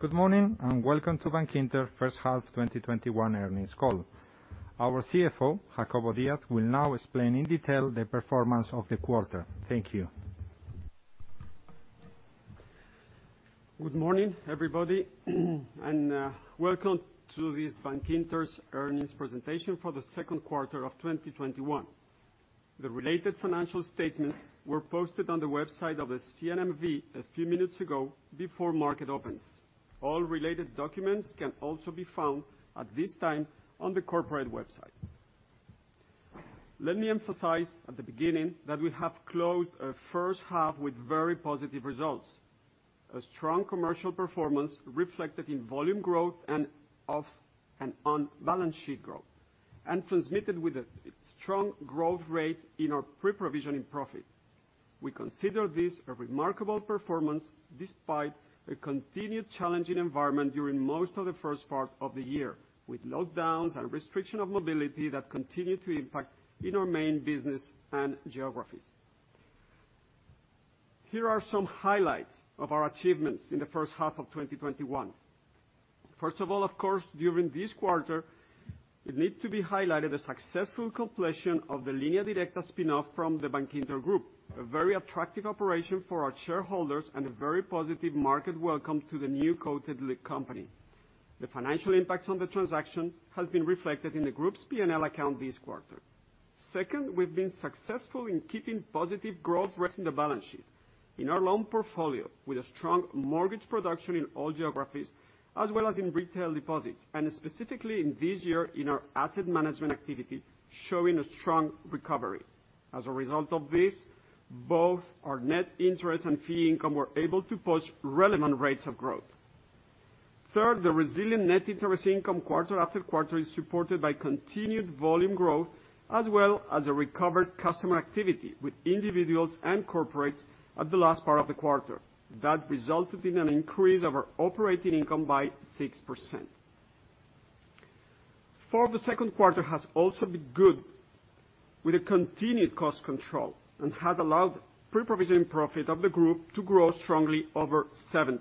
Good morning, and welcome to Bankinter first half 2021 earnings call. Our CFO, Jacobo Díaz, will now explain in detail the performance of the quarter. Thank you. Good morning, everybody, and welcome to this Bankinter's earnings presentation for the second quarter of 2021. The related financial statements were posted on the website of the CNMV a few minutes ago, before market opens. All related documents can also be found at this time on the corporate website. Let me emphasize at the beginning that we have closed a first half with very positive results. A strong commercial performance reflected in volume growth and on balance sheet growth, and transmitted with a strong growth rate in our pre-provision profit. We consider this a remarkable performance despite a continued challenging environment during most of the first part of the year, with lockdowns and restriction of mobility that continue to impact in our main business and geographies. Here are some highlights of our achievements in the first half of 2021. First of all, of course, during this quarter, it need to be highlighted a successful completion of the Línea Directa spin-off from the Bankinter Group, a very attractive operation for our shareholders and a very positive market welcome to the new quoted company. The financial impacts on the transaction has been reflected in the group's P&L account this quarter. Second, we've been successful in keeping positive growth rates in the balance sheet. In our loan portfolio, with a strong mortgage production in all geographies, as well as in retail deposits, and specifically in this year in our asset management activity, showing a strong recovery. As a result of this, both our net interest and fee income were able to post relevant rates of growth. Third, the resilient net interest income quarter after quarter is supported by continued volume growth, as well as a recovered customer activity with individuals and corporates at the last part of the quarter. That resulted in an increase of our operating income by 6%. Four, the second quarter has also been good with a continued cost control and has allowed pre-provision profit of the group to grow strongly over 7%.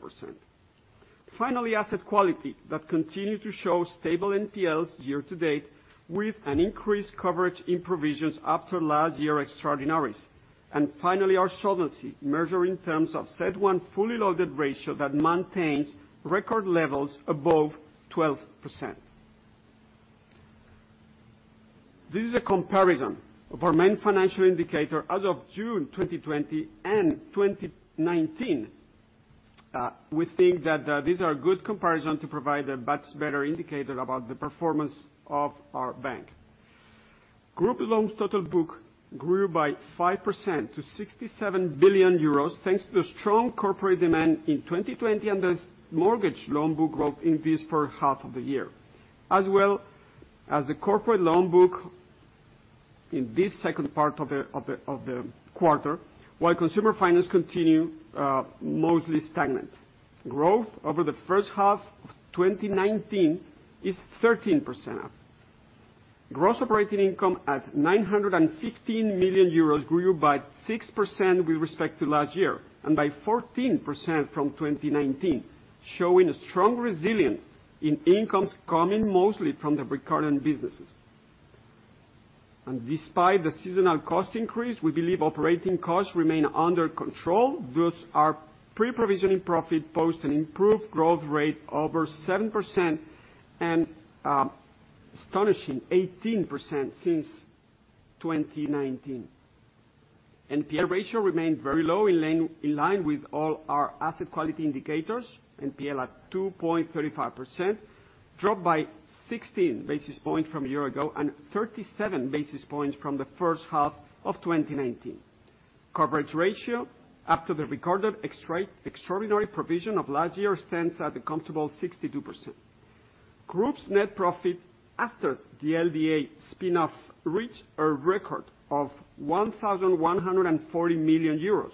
Finally, asset quality that continue to show stable NPLs year-to-date with an increased coverage in provisions after last year extraordinaries. Finally, our solvency measured in terms of CET1 fully loaded ratio that maintains record levels above 12%. This is a comparison of our main financial indicator as of June 2020 and 2019. We think that these are good comparison to provide a much better indicator about the performance of our bank. Group loans total book grew by 5% to 67 billion euros, thanks to the strong corporate demand in 2020, and this mortgage loan book growth in this first half of the year. As well as the corporate loan book in this second part of the quarter, while consumer finance continue mostly stagnant. Growth over the first half of 2019 is 13% up. Gross operating income at 915 million euros grew by 6% with respect to last year, and by 14% from 2019, showing a strong resilience in incomes coming mostly from the recurrent businesses. Despite the seasonal cost increase, we believe operating costs remain under control. Thus, our pre-provision profit posted improved growth rate over 7% and astonishing 18% since 2019. NPL ratio remained very low in line with all our asset quality indicators. NPL at 2.35%, dropped by 16 basis points from a year ago, and 37 basis points from the first half of 2019. Coverage ratio after the recorded extraordinary provision of last year stands at a comfortable 62%. Group's net profit after the LDA spin-off, reached a record of 1,140 million euros.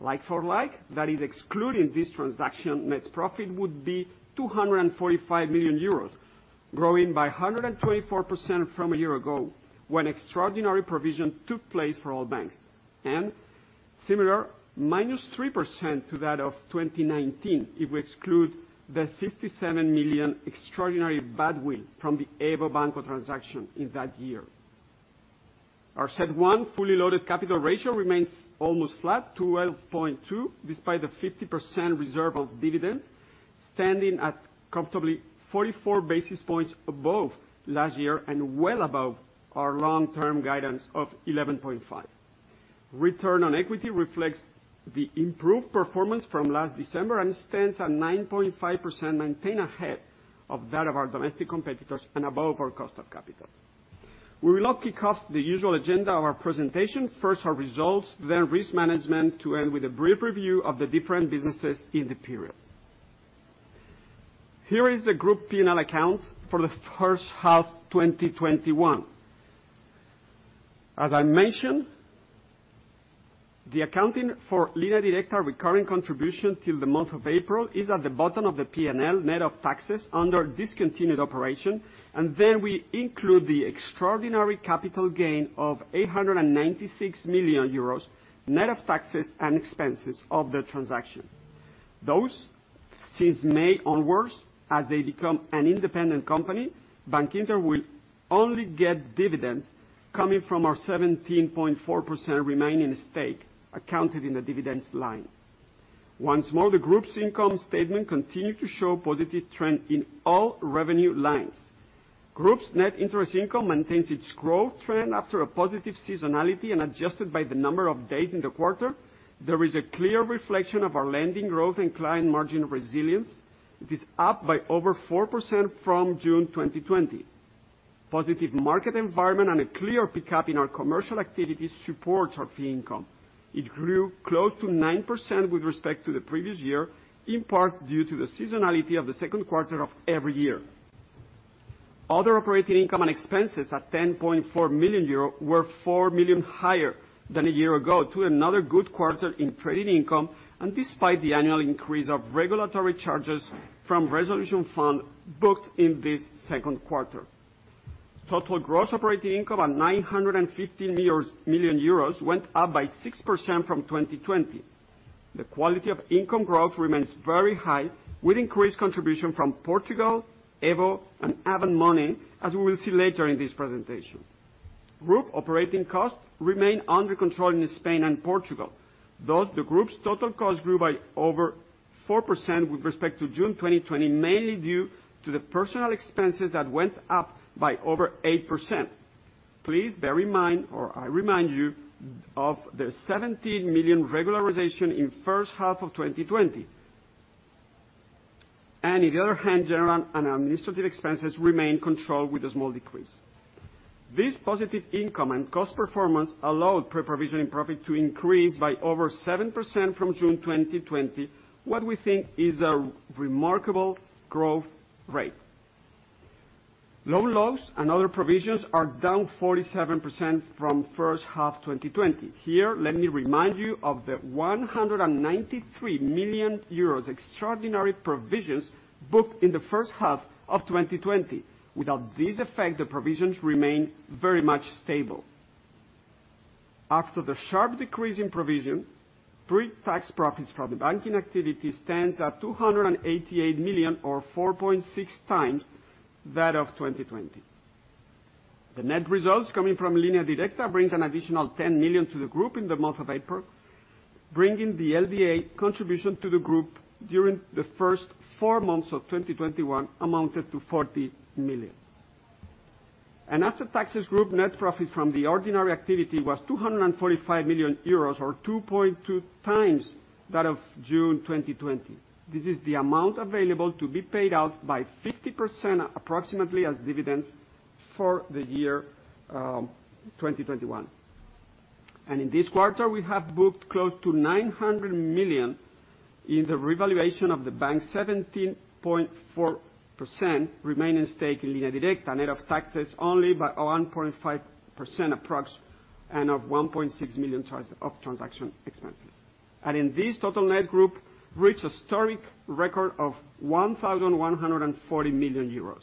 Like for like, that is excluding this transaction, net profit would be 245 million euros, growing by 124% from a year ago, when extraordinary provision took place for all banks. Similar -3% to that of 2019 if we exclude the 57 million extraordinary badwill from the EVO Banco transaction in that year. Our CET1 fully loaded capital ratio remains almost flat, 12.2%, despite the 50% reserve of dividends, standing at comfortably 44 basis points above last year and well above our long-term guidance of 11.5%. Return on equity reflects the improved performance from last December and stands at 9.5%, maintained ahead of that of our domestic competitors and above our cost of capital. We will now kick off the usual agenda of our presentation. First our results, then risk management, to end with a brief review of the different businesses in the period. Here is the group P&L account for the first half 2021. As I mentioned, the accounting for Línea Directa recurring contribution till the month of April is at the bottom of the P&L net of taxes under discontinued operation. Then we include the extraordinary capital gain of 896 million euros net of taxes and expenses of the transaction. Since May onwards, as they become an independent company, Bankinter will only get dividends coming from our 17.4% remaining stake accounted in the dividends line. Once more, the group's income statement continue to show positive trend in all revenue lines. Group's net interest income maintains its growth trend after a positive seasonality and adjusted by the number of days in the quarter. There is a clear reflection of our lending growth and client margin resilience. It is up by over 4% from June 2020. Positive market environment and a clear pickup in our commercial activities supports our fee income. It grew close to 9% with respect to the previous year, in part due to the seasonality of the second quarter of every year. Other operating income and expenses at 10.4 million euro were 4 million higher than a year ago to another good quarter in trading income, and despite the annual increase of regulatory charges from Resolution Fund booked in this second quarter. Total gross operating income at 915 million euros went up by 6% from 2020. The quality of income growth remains very high with increased contribution from Portugal, EVO, and Avant Money, as we will see later in this presentation. Group operating costs remain under control in Spain and Portugal, though the group's total cost grew by over 4% with respect to June 2020, mainly due to the personal expenses that went up by over 8%. Please bear in mind or I remind you of the 17 million regularization in first half of 2020. In the other hand, general and administrative expenses remain controlled with a small decrease. This positive income and cost performance allowed pre-provision profit to increase by over 7% from June 2020. What we think is a remarkable growth rate. Loan loss and other provisions are down 47% from first half 2020. Here, let me remind you of the 193 million euros extraordinary provisions booked in the first half of 2020. Without this effect, the provisions remain very much stable. After the sharp decrease in provision, pre-tax profits from the banking activity stands at 288 million or 4.6 times that of 2020. The net results coming from Línea Directa brings an additional 10 million to the group in the month of April, bringing the LDA contribution to the group during the first four months of 2021 amounted to 40 million. After taxes group, net profit from the ordinary activity was 245 million euros or 2.2 times that of June 2020. This is the amount available to be paid out by 50%, approximately as dividends for the year, 2021. In this quarter, we have booked close to 900 million in the revaluation of the Bankinter 17.4% remaining stake in Línea Directa, net of taxes only by 1.5% approx, and of 1.6 million of transaction expenses. In this total net group, reached a historic record of 1,140 million euros.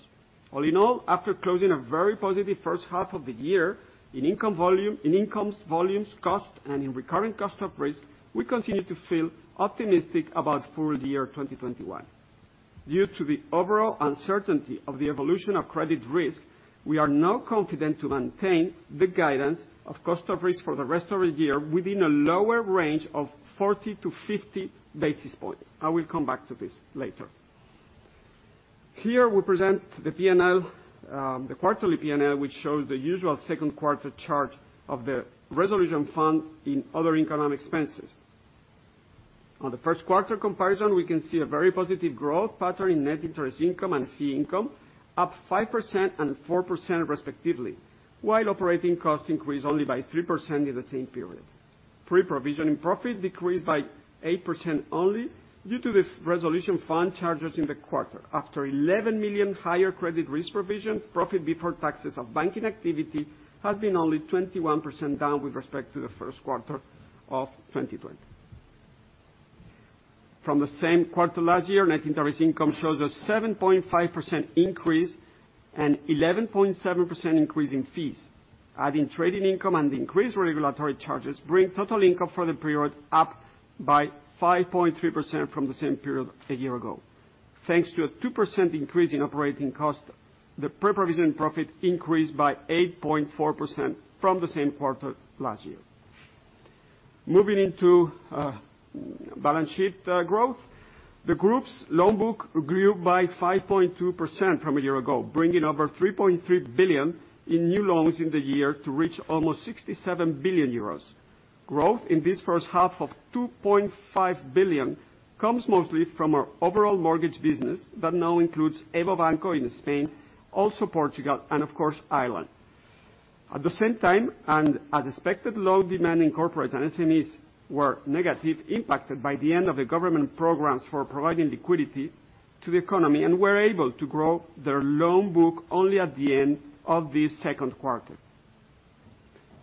All in all, after closing a very positive first half of the year in income volumes, cost, and in recurring cost of risk, we continue to feel optimistic about full year 2021. Due to the overall uncertainty of the evolution of credit risk, we are now confident to maintain the guidance of cost of risk for the rest of the year within a lower range of 40-50 basis points. I will come back to this later. Here we present the P&L, the quarterly P&L, which shows the usual second quarter charge of the resolution fund in other income and expenses. On the first quarter comparison, we can see a very positive growth pattern in net interest income and fee income, up 5% and 4% respectively, while operating costs increased only by 3% in the same period. Pre-provision profit decreased by 8% only due to the resolution fund charges in the quarter. After 11 million higher credit risk provision, profit before taxes of banking activity has been only 21% down with respect to the first quarter of 2020. From the same quarter last year, net interest income shows a 7.5% increase and 11.7% increase in fees. Adding trading income and increased regulatory charges bring total income for the period up by 5.3% from the same period a year ago. Thanks to a 2% increase in operating cost, the pre-provision profit increased by 8.4% from the same quarter last year. Moving into balance sheet growth. The group's loan book grew by 5.2% from a year ago, bringing over 3.3 billion in new loans in the year to reach almost 67 billion euros. Growth in this first half of 2.5 billion comes mostly from our overall mortgage business, that now includes EVO Banco in Spain, also Portugal, and of course, Ireland. At the same time, as expected, loan demand in corporates and SMEs were negative, impacted by the end of the government programs for providing liquidity to the economy, and were able to grow their loan book only at the end of this second quarter.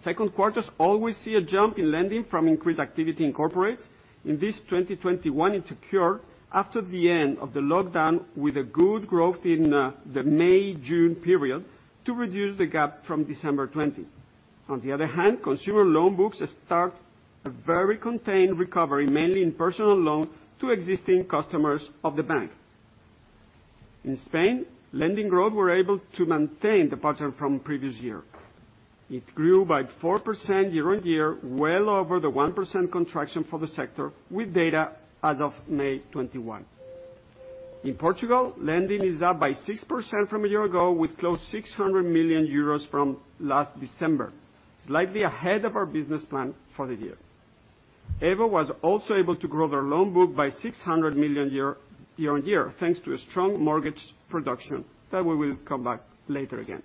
Second quarters always see a jump in lending from increased activity in corporates. In this 2021, it occurred after the end of the lockdown with a good growth in the May-June period to reduce the gap from December 2020. Consumer loan books start a very contained recovery, mainly in personal loan to existing customers of the bank. In Spain, lending growth were able to maintain the pattern from previous year. It grew by 4% year-on-year, well over the 1% contraction for the sector, with data as of May 2021. In Portugal, lending is up by 6% from a year ago, with close to 600 million euros from last December, slightly ahead of our business plan for the year. EVO was also able to grow their loan book by 600 million year-on-year, thanks to a strong mortgage production that we will come back later again.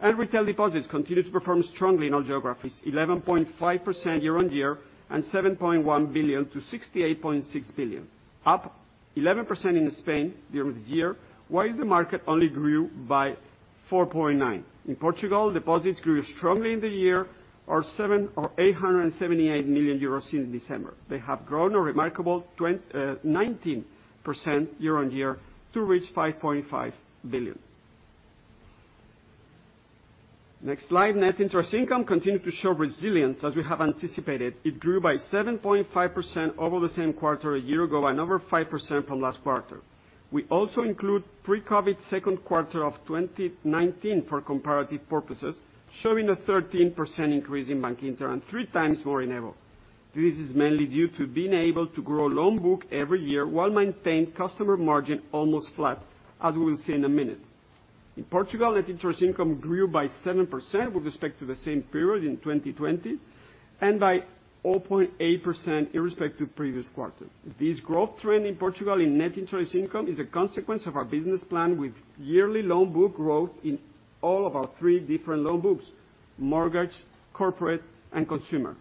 Retail deposits continue to perform strongly in all geographies, 11.5% year-on-year and 7.1 billion-68.6 billion. Up 11% in Spain during the year, while the market only grew by 4.9%. In Portugal, deposits grew strongly in the year, or 878 million euros since December. They have grown a remarkable 19% year-on-year to reach EUR 5.5 billion. Next slide. Net interest income continued to show resilience as we have anticipated. It grew by 7.5% over the same quarter a year ago, and over 5% from last quarter. We also include pre-COVID second quarter of 2019 for comparative purposes, showing a 13% increase in Bankinter and three times more in EVO. This is mainly due to being able to grow loan book every year, while maintain customer margin almost flat, as we will see in a minute. In Portugal, net interest income grew by 7% with respect to the same period in 2020, and by 0.8% in respect to previous quarter. This growth trend in Portugal in net interest income is a consequence of our business plan, with yearly loan book growth in all of our three different loan books: mortgage, corporate, and consumer.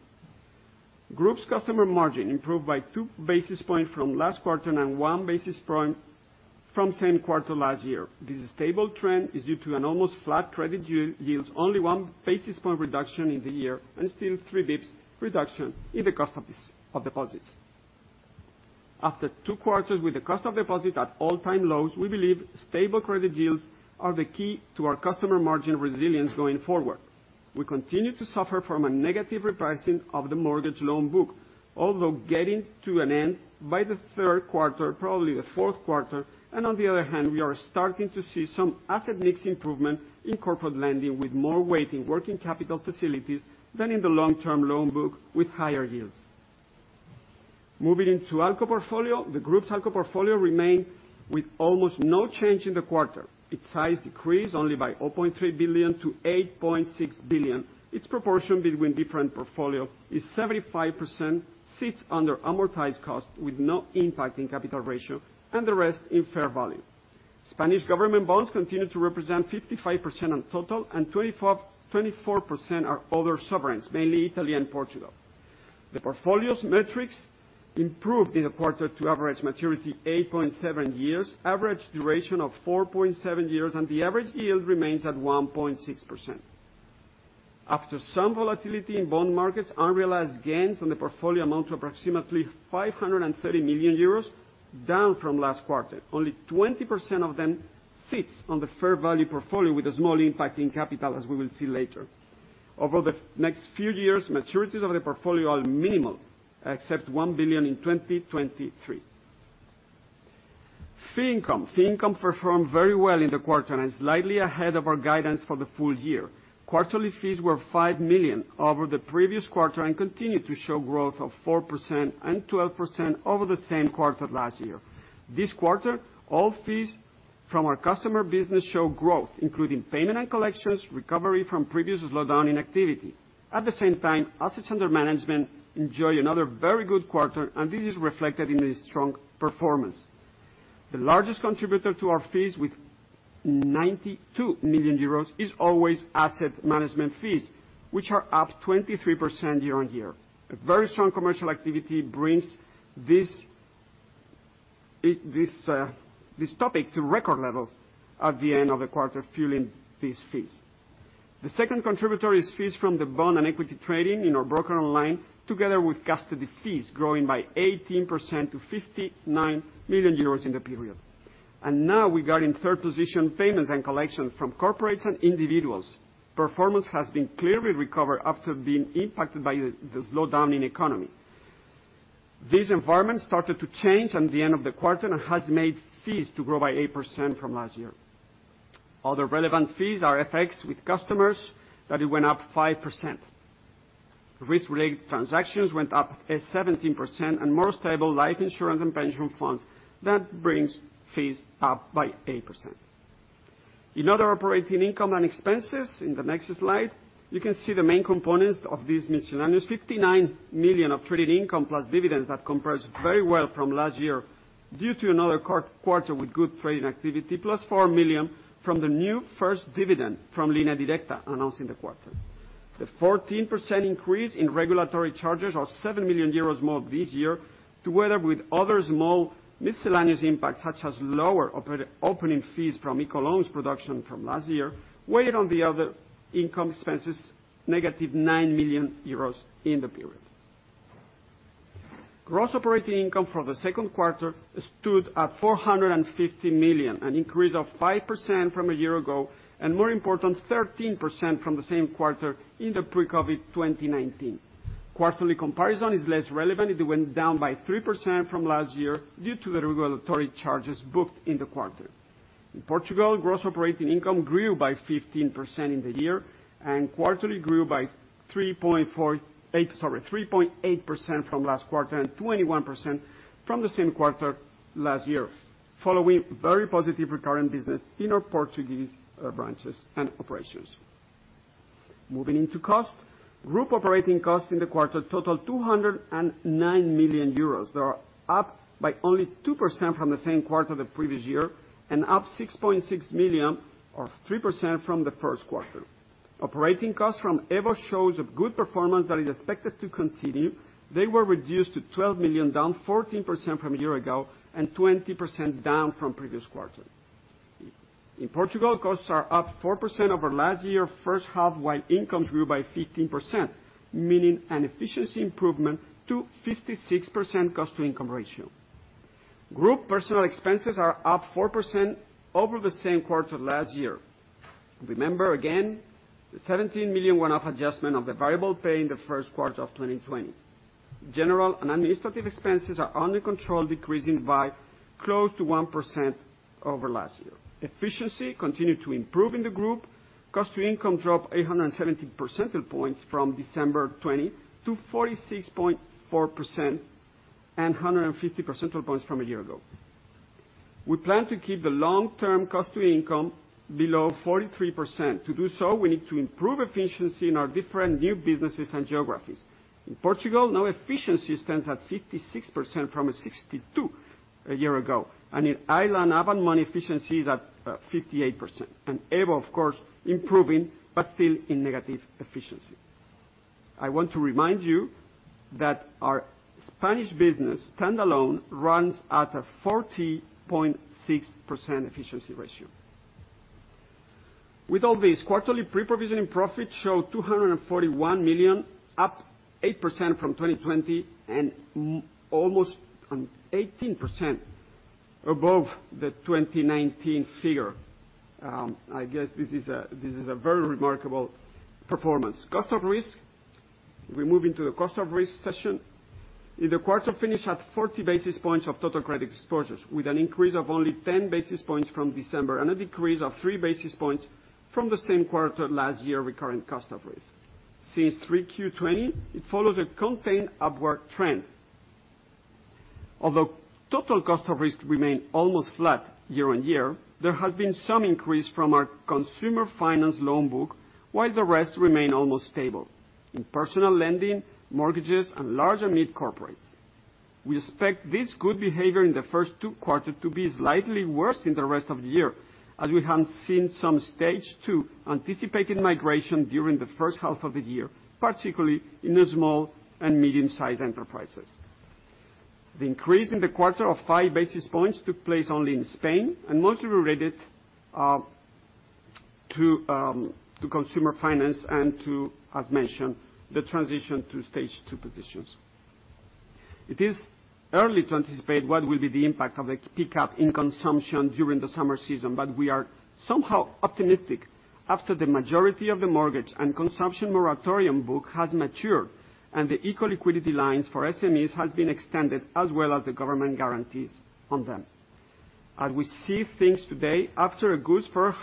Group's customer margin improved by 2 basis points from last quarter and 1 basis point from same quarter last year. This stable trend is due to an almost flat credit yields, only 1 basis point reduction in the year, and still 3 basis points reduction in the cost of deposits. After two quarters with the cost of deposit at all-time lows, we believe stable credit yields are the key to our customer margin resilience going forward. We continue to suffer from a negative repricing of the mortgage loan book, although getting to an end by the third quarter, probably the fourth quarter. On the other hand, we are starting to see some asset mix improvement in corporate lending, with more weight in working capital facilities than in the long-term loan book with higher yields. Moving into ALCO portfolio. The group's ALCO portfolio remained with almost no change in the quarter. Its size decreased only by 8.3 billion-8.6 billion. Its proportion between different portfolio is 75% sits under amortized cost with no impact in capital ratio, and the rest in fair value. Spanish government bonds continue to represent 55% on total, and 24% are other sovereigns, mainly Italy and Portugal. The portfolio's metrics improved in the quarter to average maturity 8.7 years, average duration of 4.7 years, and the average yield remains at 1.6%. After some volatility in bond markets, unrealized gains on the portfolio amount to approximately 530 million euros, down from last quarter. Only 20% of them sits on the fair value portfolio with a small impact in capital, as we will see later. Over the next few years, maturities of the portfolio are minimal, except 1 billion in 2023. Fee income. Fee income performed very well in the quarter and is slightly ahead of our guidance for the full year. Quarterly fees were 5 million over the previous quarter, continued to show growth of 4% and 12% over the same quarter last year. This quarter, all fees from our customer business show growth, including payment and collections, recovery from previous slowdown in activity. At the same time, assets under management enjoy another very good quarter, this is reflected in the strong performance. The largest contributor to our fees with 92 million euros is always asset management fees, which are up 23% year-on-year. A very strong commercial activity brings this topic to record levels at the end of the quarter, fueling these fees. The second contributor is fees from the bond and equity trading in our Broker Online, together with custody fees, growing by 18% to 59 million euros in the period. Now we got in third position, payments and collections from corporates and individuals. Performance has been clearly recovered after being impacted by the slowdown in economy. This environment started to change at the end of the quarter, has made fees to grow by 8% from last year. Other relevant fees are FX with customers, that it went up 5%. Risk-related transactions went up at 17%, more stable life insurance and pension funds. That brings fees up by 8%. In other operating income and expenses, in the next slide, you can see the main components of these miscellaneous. 59 million of trading income plus dividends that compares very well from last year due to another quarter with good trading activity, plus 4 million from the new first dividend from Línea Directa announced in the quarter. The 14% increase in regulatory charges of 7 million euros more this year, together with other small miscellaneous impacts, such as lower opening fees from ICO loans production from last year, weighed on the other income expenses -9 million euros in the period. Gross operating income for the second quarter stood at 450 million, an increase of 5% from a year ago, and more important, 13% from the same quarter in the pre-COVID 2019. Quarterly comparison is less relevant. It went down by 3% from last year due to the regulatory charges booked in the quarter. In Portugal, gross operating income grew by 15% in the year, and quarterly grew by 3.8% from last quarter, and 21% from the same quarter last year, following very positive recurring business in our Portuguese branches and operations. Moving into cost. Group operating cost in the quarter totaled 209 million euros. They are up by only 2% from the same quarter the previous year, and up 6.6 million or 3% from the first quarter. Operating costs from EVO show a good performance that is expected to continue. They were reduced to 12 million, down 14% from a year ago, and 20% down from previous quarter. In Portugal, costs are up 4% over last year, first half, while incomes grew by 15%, meaning an efficiency improvement to 56% cost-to-income ratio. Group personal expenses are up 4% over the same quarter last year. Remember again, the 17 million one-off adjustment of the variable pay in the first quarter of 2020. General and administrative expenses are under control, decreasing by close to 1% over last year. Efficiency continued to improve in the group. Cost-to-income dropped 870 percentile points from December 2020 to 46.4%, and 150 percentile points from a year ago. We plan to keep the long-term cost-to-income below 43%. To do so, we need to improve efficiency in our different new businesses and geographies. In Portugal, now efficiency stands at 56% from a 62% a year ago. In Ireland, Avant Money efficiency is at 58%. EVO, of course, improving, but still in negative efficiency. I want to remind you that our Spanish business standalone runs at a 40.6% efficiency ratio. With all this, quarterly pre-provision profit show 241 million, up 8% from 2020, and almost 18% above the 2019 figure. I guess this is a very remarkable performance. Cost of risk. We move into the cost of risk section. In the quarter, finished at 40 basis points of total credit exposures, with an increase of only 10 basis points from December, and a decrease of 3 basis points from the same quarter last year recurring cost of risk. Since Q3 2020, it follows a contained upward trend. Although total cost of risk remained almost flat year-over-year, there has been some increase from our consumer finance loan book, while the rest remain almost stable. In personal lending, mortgages, and large and mid corporates. We expect this good behavior in the first two quarters to be slightly worse in the rest of the year, as we have seen some Stage 2 anticipated migration during the first half of the year, particularly in the Small and Medium Enterprises. The increase in the quarter of 5 basis points took place only in Spain, mostly related to consumer finance and to, as mentioned, the transition to Stage 2 positions. It is early to anticipate what will be the impact of a pickup in consumption during the summer season, we are somehow optimistic after the majority of the mortgage and consumption moratorium book has matured, the ICO liquidity lines for SMEs has been extended, as well as the government guarantees on them. As we see things today, after a good first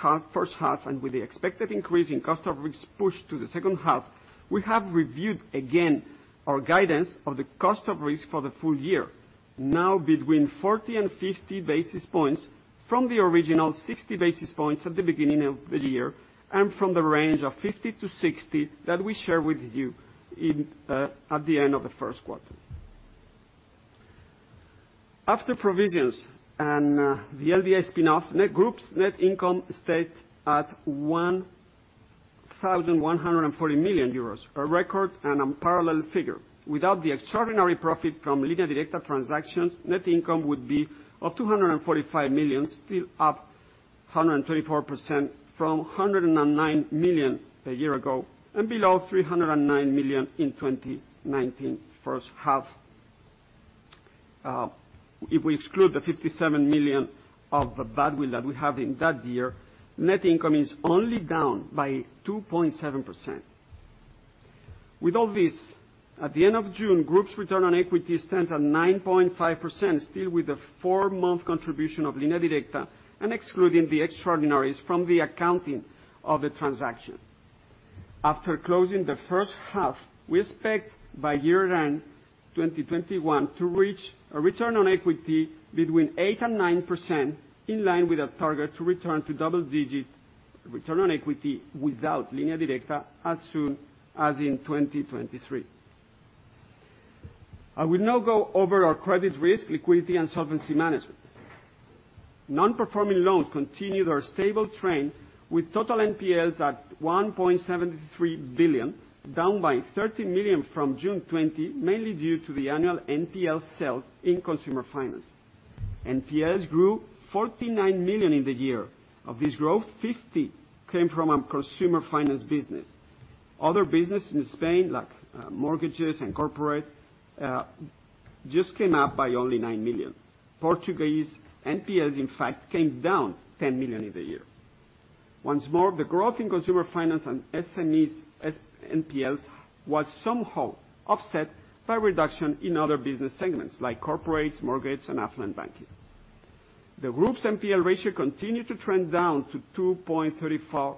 half and with the expected increase in cost of risk pushed to the second half, we have reviewed again our guidance of the cost of risk for the full year. Now between 40 and 50 basis points from the original 60 basis points at the beginning of the year, and from the range of 50-60 that we shared with you at the end of the first quarter. After provisions and the LDA spin-off, net groups, net income stayed at 1,140 million euros, a record and unparalleled figure. Without the extraordinary profit from Línea Directa transactions, net income would be of 245 million, still up 124% from 109 million a year ago, and below 309 million in 2019 first half. If we exclude the 57 million of the badwill that we had in that year, net income is only down by 2.7%. With all this, at the end of June, Group's return on equity stands at 9.5%, still with the four-month contribution of Línea Directa, and excluding the extraordinaries from the accounting of the transaction. After closing the first half, we expect by year-end 2021 to reach a return on equity between 8%-9%, in line with our target to return to double-digit return on equity without Línea Directa as soon as in 2023. I will now go over our credit risk, liquidity, and solvency management. Non-performing loans continued our stable trend with total NPLs at 1.73 billion, down by 30 million from June 2020, mainly due to the annual NPL sales in Consumer Finance. NPLs grew 49 million in the year. Of this growth, 50 came from consumer finance business. Other business in Spain, like mortgages and corporate, just came up by only 9 million. Portuguese NPLs, in fact, came down 10 million in the year. Once more, the growth in consumer finance and SMEs NPLs was somehow offset by reduction in other business segments, like corporates, mortgages, and affluent banking. The group's NPL ratio continued to trend down to 2.34%,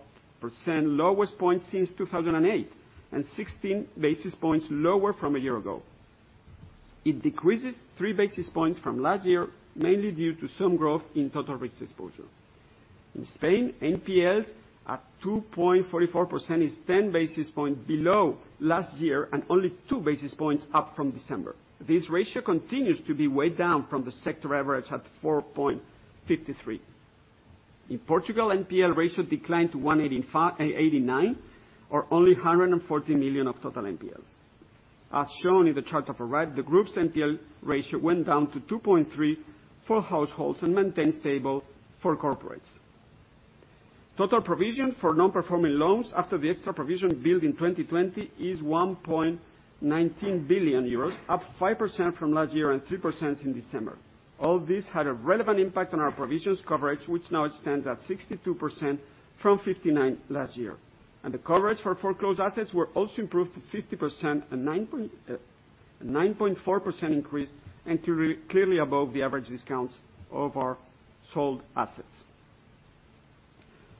lowest point since 2008, and 16 basis points lower from a year ago. It decreases 3 basis points from last year, mainly due to some growth in total risk exposure. In Spain, NPLs at 2.44% is 10 basis points below last year, and only 2 basis points up from December. This ratio continues to be way down from the sector average at 4.53%. In Portugal, NPL ratio declined to 1.89%, or only 140 million of total NPLs. As shown in the chart on the right, the group's NPL ratio went down to 2.3% for households and maintained stable for corporates. Total provision for non-performing loans after the extra provision build in 2020 is 1.19 billion euros, up 5% from last year and 3% in December. All this had a relevant impact on our provisions coverage, which now stands at 62% from 59% last year. The coverage for foreclosed assets was also improved to 50%, a 9.4% increase, and clearly above the average discounts of our sold assets.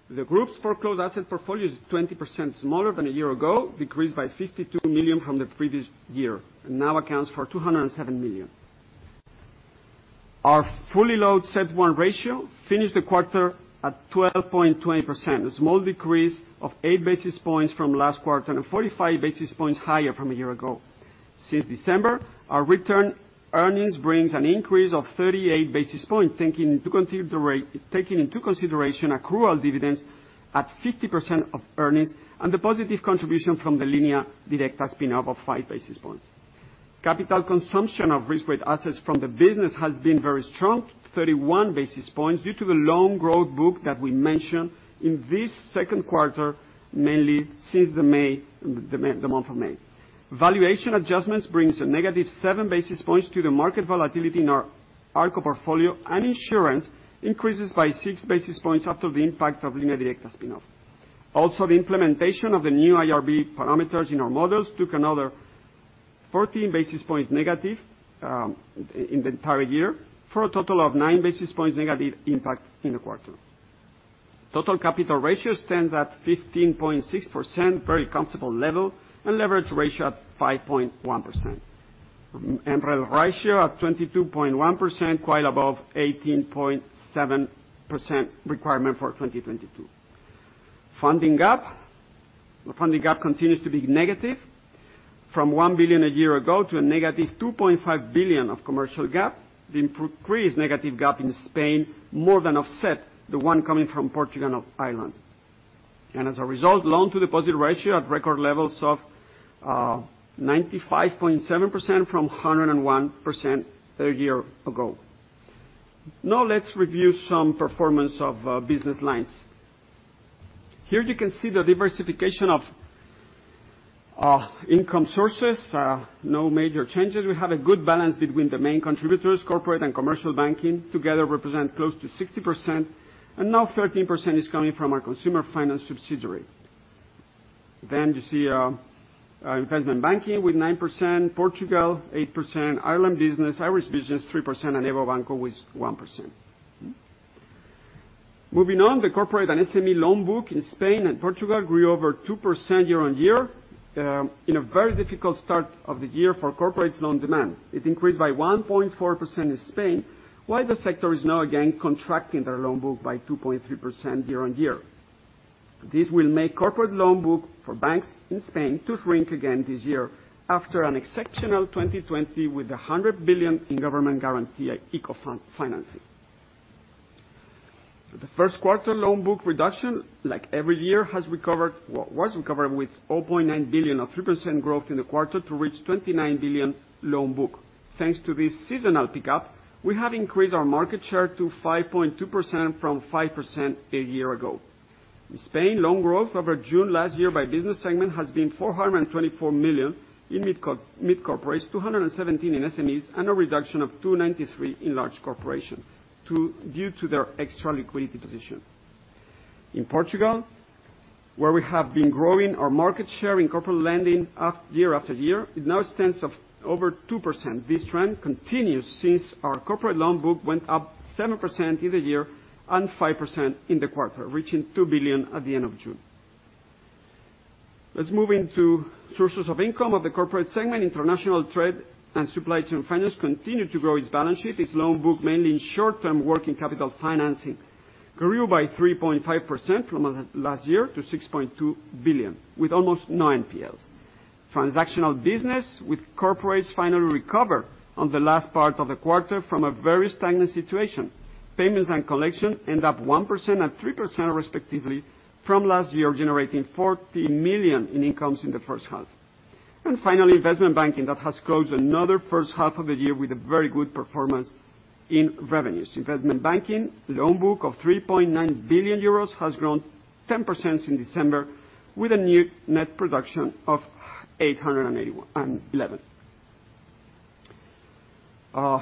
The group's foreclosed asset portfolio is 20% smaller than a year ago, decreased by 52 million from the previous year, and now accounts for 207 million. Our fully loaded CET1 ratio finished the quarter at 12.20%, a small decrease of 8 basis points from last quarter and 45 basis points higher from a year ago. Since December, our retained earnings brings an increase of 38 basis points, taking into consideration accrual dividends at 50% of earnings and the positive contribution from the Línea Directa spin-off of 5 basis points. Capital consumption of risk-weighted assets from the business has been very strong, 31 basis points, due to the loan growth book that we mentioned in this second quarter, mainly since the month of May. Valuation adjustments brings a -7 basis points due to the market volatility in our ALCO portfolio. Insurance increases by 6 basis points after the impact of Línea Directa spin-off. The implementation of the new IRB parameters in our models took another -14 basis points in the entire year for a total of -9 basis points impact in the quarter. Total capital ratio stands at 15.6%, very comfortable level. Leverage ratio at 5.1%. MREL ratio at 22.1%, quite above 18.7% requirement for 2022. Funding gap. Funding gap continues to be negative, from 1 billion a year ago to a -2.5 billion of commercial gap. The increased negative gap in Spain more than offset the one coming from Portugal and Ireland. As a result, loan-to-deposit ratio at record levels of 95.7% from 101% a year ago. Let's review some performance of business lines. Here you can see the diversification of income sources. No major changes. We have a good balance between the main contributors, corporate and commercial banking together represent close to 60%, and now 13% is coming from our consumer finance subsidiary. You see investment banking with 9%, Portugal 8%, Irish business 3%, and EVO Banco is 1%. Moving on, the corporate and SME loan book in Spain and Portugal grew over 2% year-on-year, in a very difficult start of the year for corporates loan demand. It increased by 1.4% in Spain, while the sector is now again contracting their loan book by 2.3% year-on-year. This will make corporate loan book for banks in Spain to shrink again this year after an exceptional 2020 with 100 billion in government guarantee ICO financing. The first quarter loan book reduction, like every year, was recovered with 4.9 billion, or 3% growth in the quarter, to reach 29 billion loan book. Thanks to this seasonal pickup, we have increased our market share to 5.2% from 5% a year ago. In Spain, loan growth over June last year by business segment has been 424 million in mid-corporates, 217 million in SMEs, and a reduction of 293 million in large corporations due to their extra liquidity position. In Portugal, where we have been growing our market share in corporate lending year after year, it now stands at over 2%. This trend continues since our corporate loan book went up 7% in the year and 5% in the quarter, reaching 2 billion at the end of June. Let's move into sources of income of the corporate segment. International trade and supply chain finance continued to grow its balance sheet. Its loan book, mainly in short-term working capital financing, grew by 3.5% from last year to 6.2 billion, with almost no NPLs. Transactional business with corporates finally recovered on the last part of the quarter from a very stagnant situation. Payments and collection end up 1% and 3% respectively from last year, generating 40 million in incomes in the first half. Finally, investment banking. That has closed another first half of the year with a very good performance in revenues. Investment banking loan book of 3.9 billion euros has grown 10% since December, with a new net production of 811 million.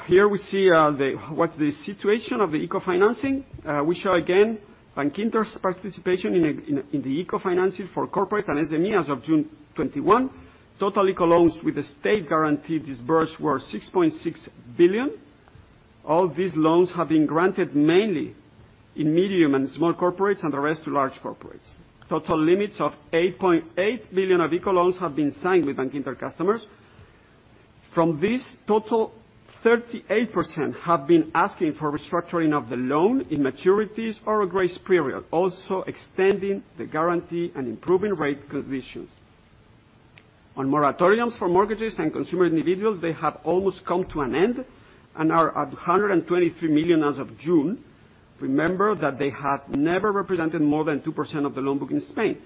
Here we see what's the situation of the ICO financing. We show again Bankinter's participation in the ICO financing for corporate and SMEs as of June 2021. Total ICO loans with the state guarantee disbursed were 6.6 billion. All these loans have been granted mainly in medium and small corporates, and the rest to large corporates. Total limits of 8.8 billion of ICO loans have been signed with Bankinter customers. From this total, 38% have been asking for restructuring of the loan in maturities or a grace period, also extending the guarantee and improving rate conditions. On moratoriums for mortgages and consumer individuals, they have almost come to an end and are at 123 million as of June. Remember that they have never represented more than 2% of the loan book in Spain.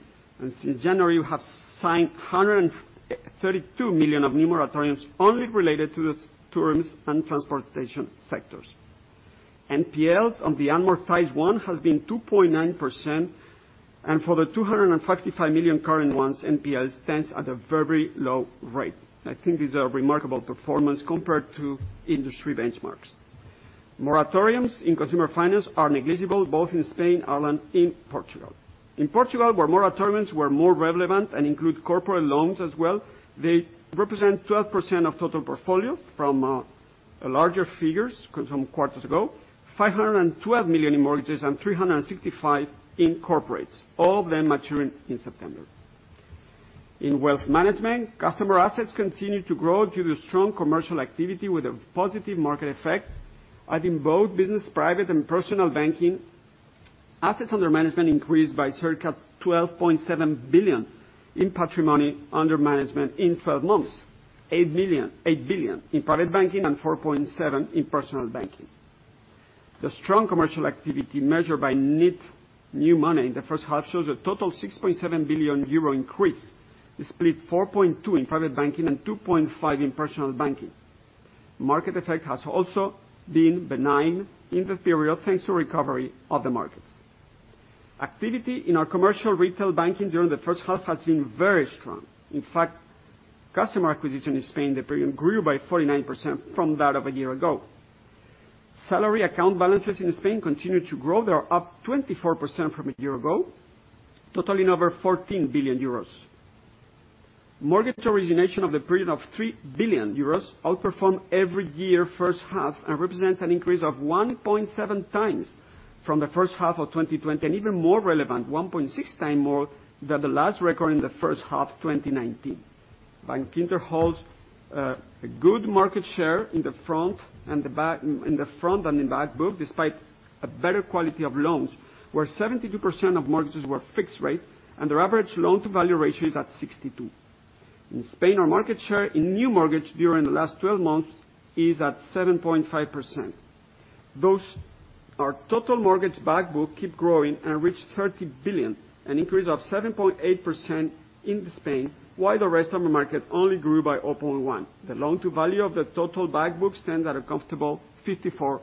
Since January, we have signed 132 million of new moratoriums only related to the tourism and transportation sectors. NPLs on the amortized one has been 2.9%, and for the 255 million current ones, NPL stands at a very low rate. I think this is a remarkable performance compared to industry benchmarks. Moratoriums in consumer finance are negligible, both in Spain, Ireland, and in Portugal. In Portugal, where moratoriums were more relevant and include corporate loans as well, they represent 12% of total portfolio from larger figures some quarters ago, 512 million in mortgages and 365 million in corporates, all of them maturing in September. In wealth management, customer assets continue to grow due to strong commercial activity with a positive market effect, adding both business, private, and personal banking. Assets under management increased by circa 12.7 billion in patrimony under management in 12 months, 8 billion in private banking and 4.7 billion in personal banking. The strong commercial activity measured by net new money in the first half shows a total of 6.7 billion euro increase, split 4.2 billion in private banking and 2.5 billion in personal banking. Market effect has also been benign in the period, thanks to recovery of the markets. Activity in our commercial retail banking during the first half has been very strong. In fact, customer acquisition in Spain in the period grew by 49% from that of a year ago. Salary account balances in Spain continue to grow. They are up 24% from a year ago, totaling over 14 billion euros. Mortgage origination over the period of 3 billion euros outperformed every year first half and represents an increase of 1.7 times from the first half of 2020, and even more relevant, 1.6 times more than the last record in the first half 2019. Bankinter holds a good market share in the front and in back book, despite a better quality of loans, where 72% of mortgages were fixed rate and their average loan-to-value ratio is at 62%. In Spain, our market share in new mortgage during the last 12 months is at 7.5%. Those are total mortgage book keep growing and reach 30 billion, an increase of 7.8% in Spain, while the rest of the market only grew by 0.1%. The loan-to-value of the total book stands at a comfortable 54%.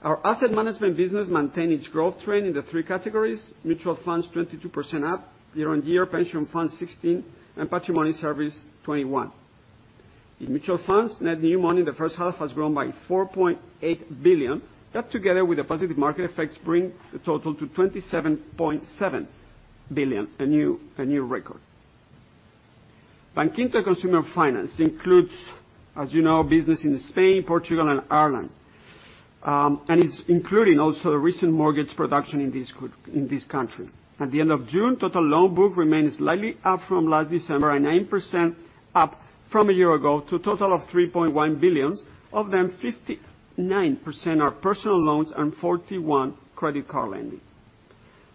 Our asset management business maintain its growth trend in the three categories: mutual funds, 22% up; year-on-year pension funds, 16%; and patrimony service, 21%. In mutual funds, net new money in the first half has grown by 4.8 billion. That, together with the positive market effects, bring the total to 27.7 billion. A new record. Bankinter Consumer Finance includes, as you know, business in Spain, Portugal, and Ireland. It's including also the recent mortgage production in this country. At the end of June, total loan book remained slightly up from last December and 9% up from a year ago to a total of 3.1 billion. Of them, 59% are personal loans and 41% credit card lending.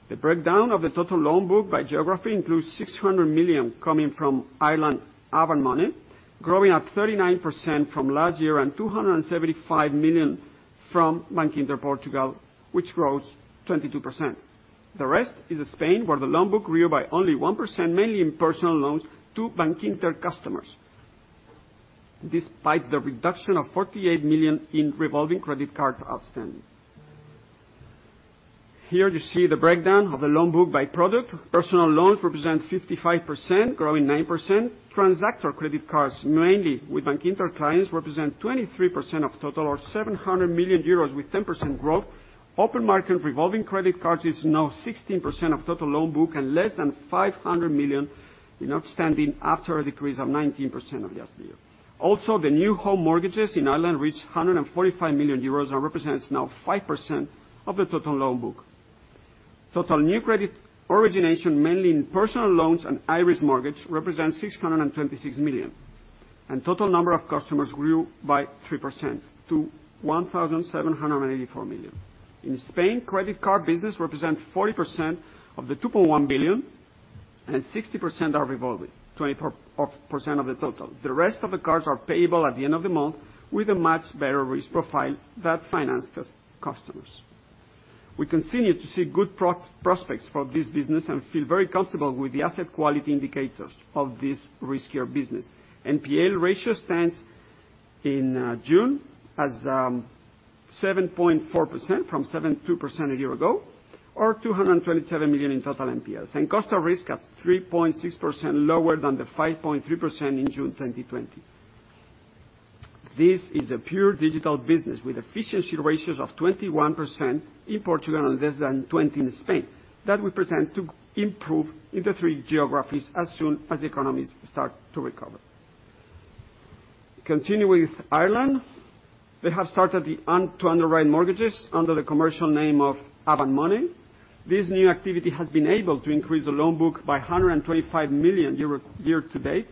The breakdown of the total loan book by geography includes 600 million coming from Ireland Avant Money, growing at 39% from last year, and 275 million from Bankinter Portugal, which grows 22%. The rest is Spain, where the loan book grew by only 1%, mainly in personal loans to Bankinter customers, despite the reduction of 48 million in revolving credit card outstanding. Here you see the breakdown of the loan book by product. Personal loans represent 55%, growing 9%. Transactor credit cards, mainly with Bankinter clients, represent 23% of total or 700 million euros with 10% growth. Open market revolving credit cards is now 16% of total loan book and less than 500 million in outstanding after a decrease of 19% of last year. The new home mortgages in Ireland reach 145 million euros and represents now 5% of the total loan book. Total new credit origination, mainly in personal loans and Irish mortgage, represents 626 million, and total number of customers grew by 3% to 1,784 million. In Spain, credit card business represents 40% of the 2.1 billion and 60% are revolving, 24% of the total. The rest of the cards are payable at the end of the month with a much better risk profile that finance customers. We continue to see good prospects for this business and feel very comfortable with the asset quality indicators of this riskier business. NPL ratio stands in June as 7.4% from 7.2% a year ago, or 227 million in total NPLs. Cost of risk at 3.6% lower than the 5.3% in June 2020. This is a pure digital business with efficiency ratios of 21% in Portugal and less than 20% in Spain, that we intend to improve in the three geographies as soon as the economies start to recover. Continue with Ireland. They have started to underwrite mortgages under the commercial name of Avant Money. This new activity has been able to increase the loan book by 125 million year-to-date,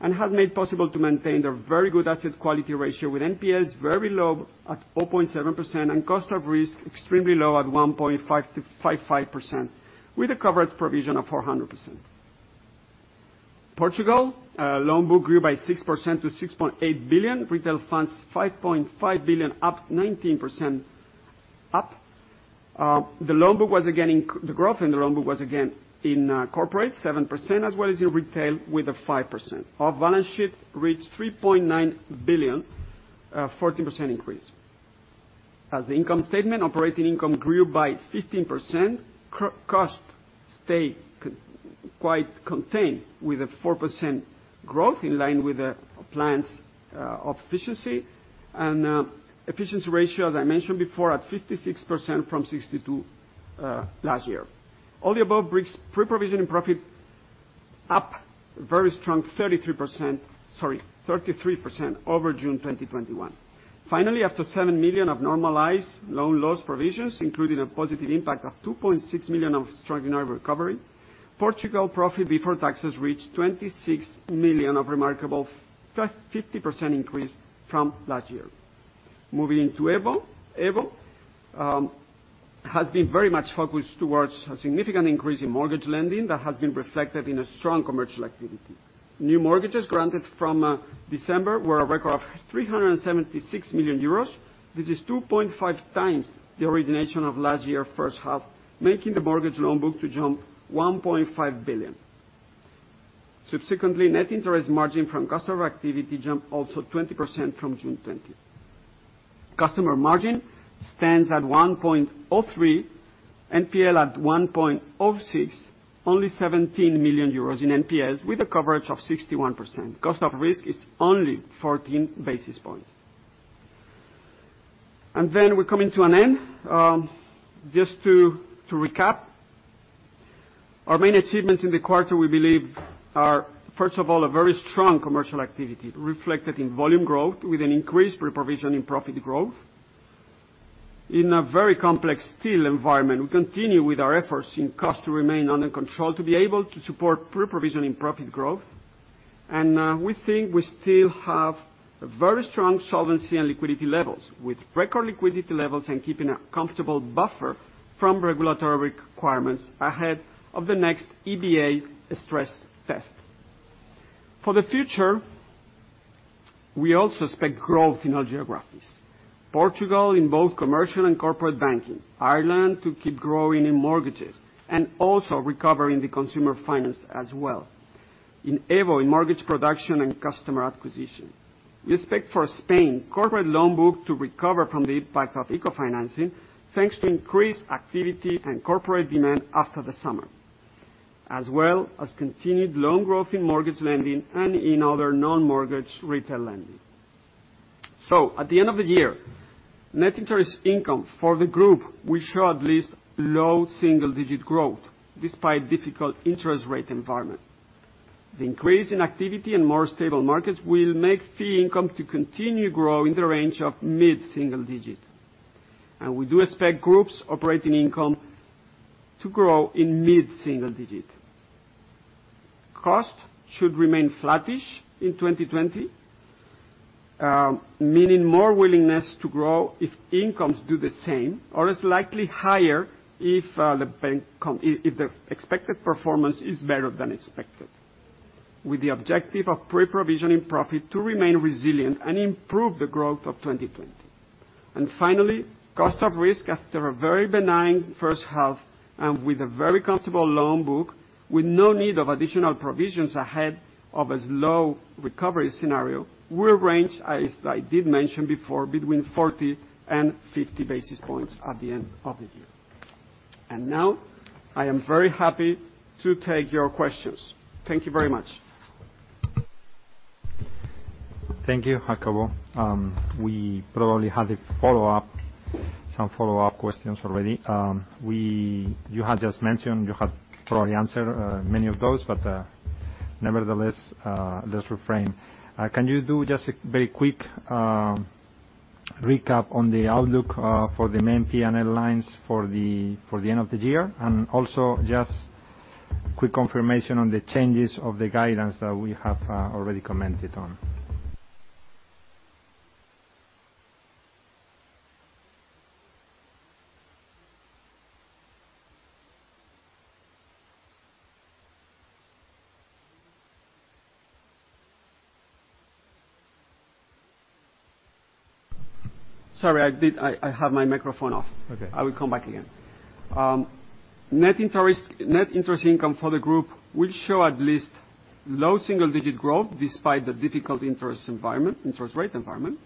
and has made possible to maintain their very good asset quality ratio, with NPLs very low at 0.7%, and cost of risk extremely low at 1.555%, with a coverage provision of 400%. Portugal loan book grew by 6% to 6.8 billion. Retail funds, 5.5 billion, up 19%. The growth in the loan book was again in corporate, 7%, as well as in retail with a 5%. Our balance sheet reached 3.9 billion, a 14% increase. As the income statement, operating income grew by 15%. Costs stay quite contained, with a 4% growth in line with the plans of efficiency. Efficiency ratio, as I mentioned before, at 56% from 62% last year. All the above brings pre-provision profit up very strong, 33% over June 2021. Finally, after 7 million of normalized loan loss provisions, including a positive impact of 2.6 million of extraordinary recovery, Portugal profit before taxes reached 26 million, a remarkable 50% increase from last year. Moving to EVO. EVO has been very much focused towards a significant increase in mortgage lending that has been reflected in a strong commercial activity. New mortgages granted from December were a record of 376 million euros. This is 2.5 times the origination of last year first half, making the mortgage loan book to jump 1.5 billion. Subsequently, net interest margin from customer activity jumped also 20% from June 20. Customer margin stands at 1.03, NPL at 1.06, only 17 million euros in NPLs with a coverage of 61%. Cost of risk is only 14 basis points. We're coming to an end. Just to recap, our main achievements in the quarter, we believe are, first of all, a very strong commercial activity reflected in volume growth with an increased pre-provision profit growth. In a very complex still environment, we continue with our efforts in cost to remain under control to be able to support pre-provision profit growth. We think we still have very strong solvency and liquidity levels, with record liquidity levels and keeping a comfortable buffer from regulatory requirements ahead of the next EBA stress test. For the future, we also expect growth in all geographies. Portugal in both commercial and corporate banking, Ireland to keep growing in mortgages, also recovering the consumer finance as well, in EVO, in mortgage production and customer acquisition. We expect for Spain corporate loan book to recover from the impact of ICO financing, thanks to increased activity and corporate demand after the summer, as well as continued loan growth in mortgage lending and in other non-mortgage retail lending. At the end of the year, net interest income for the group will show at least low single digit growth despite difficult interest rate environment. The increase in activity and more stable markets will make fee income to continue grow in the range of mid-single digit. We do expect groups operating income to grow in mid-single digit. Cost should remain flattish in 2020, meaning more willingness to grow if incomes do the same or is likely higher if the expected performance is better than expected. With the objective of pre-provision profit to remain resilient and improve the growth of 2020. Finally, cost of risk after a very benign first half and with a very comfortable loan book, with no need of additional provisions ahead of a slow recovery scenario, will range, as I did mention before, between 40 and 50 basis points at the end of the year. Now, I am very happy to take your questions. Thank you very much. Thank you, Jacobo. We probably had some follow-up questions already. You had just mentioned you had probably answered many of those, but nevertheless, let's reframe. Can you do just a very quick recap on the outlook for the main P&L lines for the end of the year? Also just quick confirmation on the changes of the guidance that we have already commented on. Sorry, I had my microphone off. Okay. I will come back again. Net interest income for the group will show at least low single-digit growth despite the difficult interest rate environment.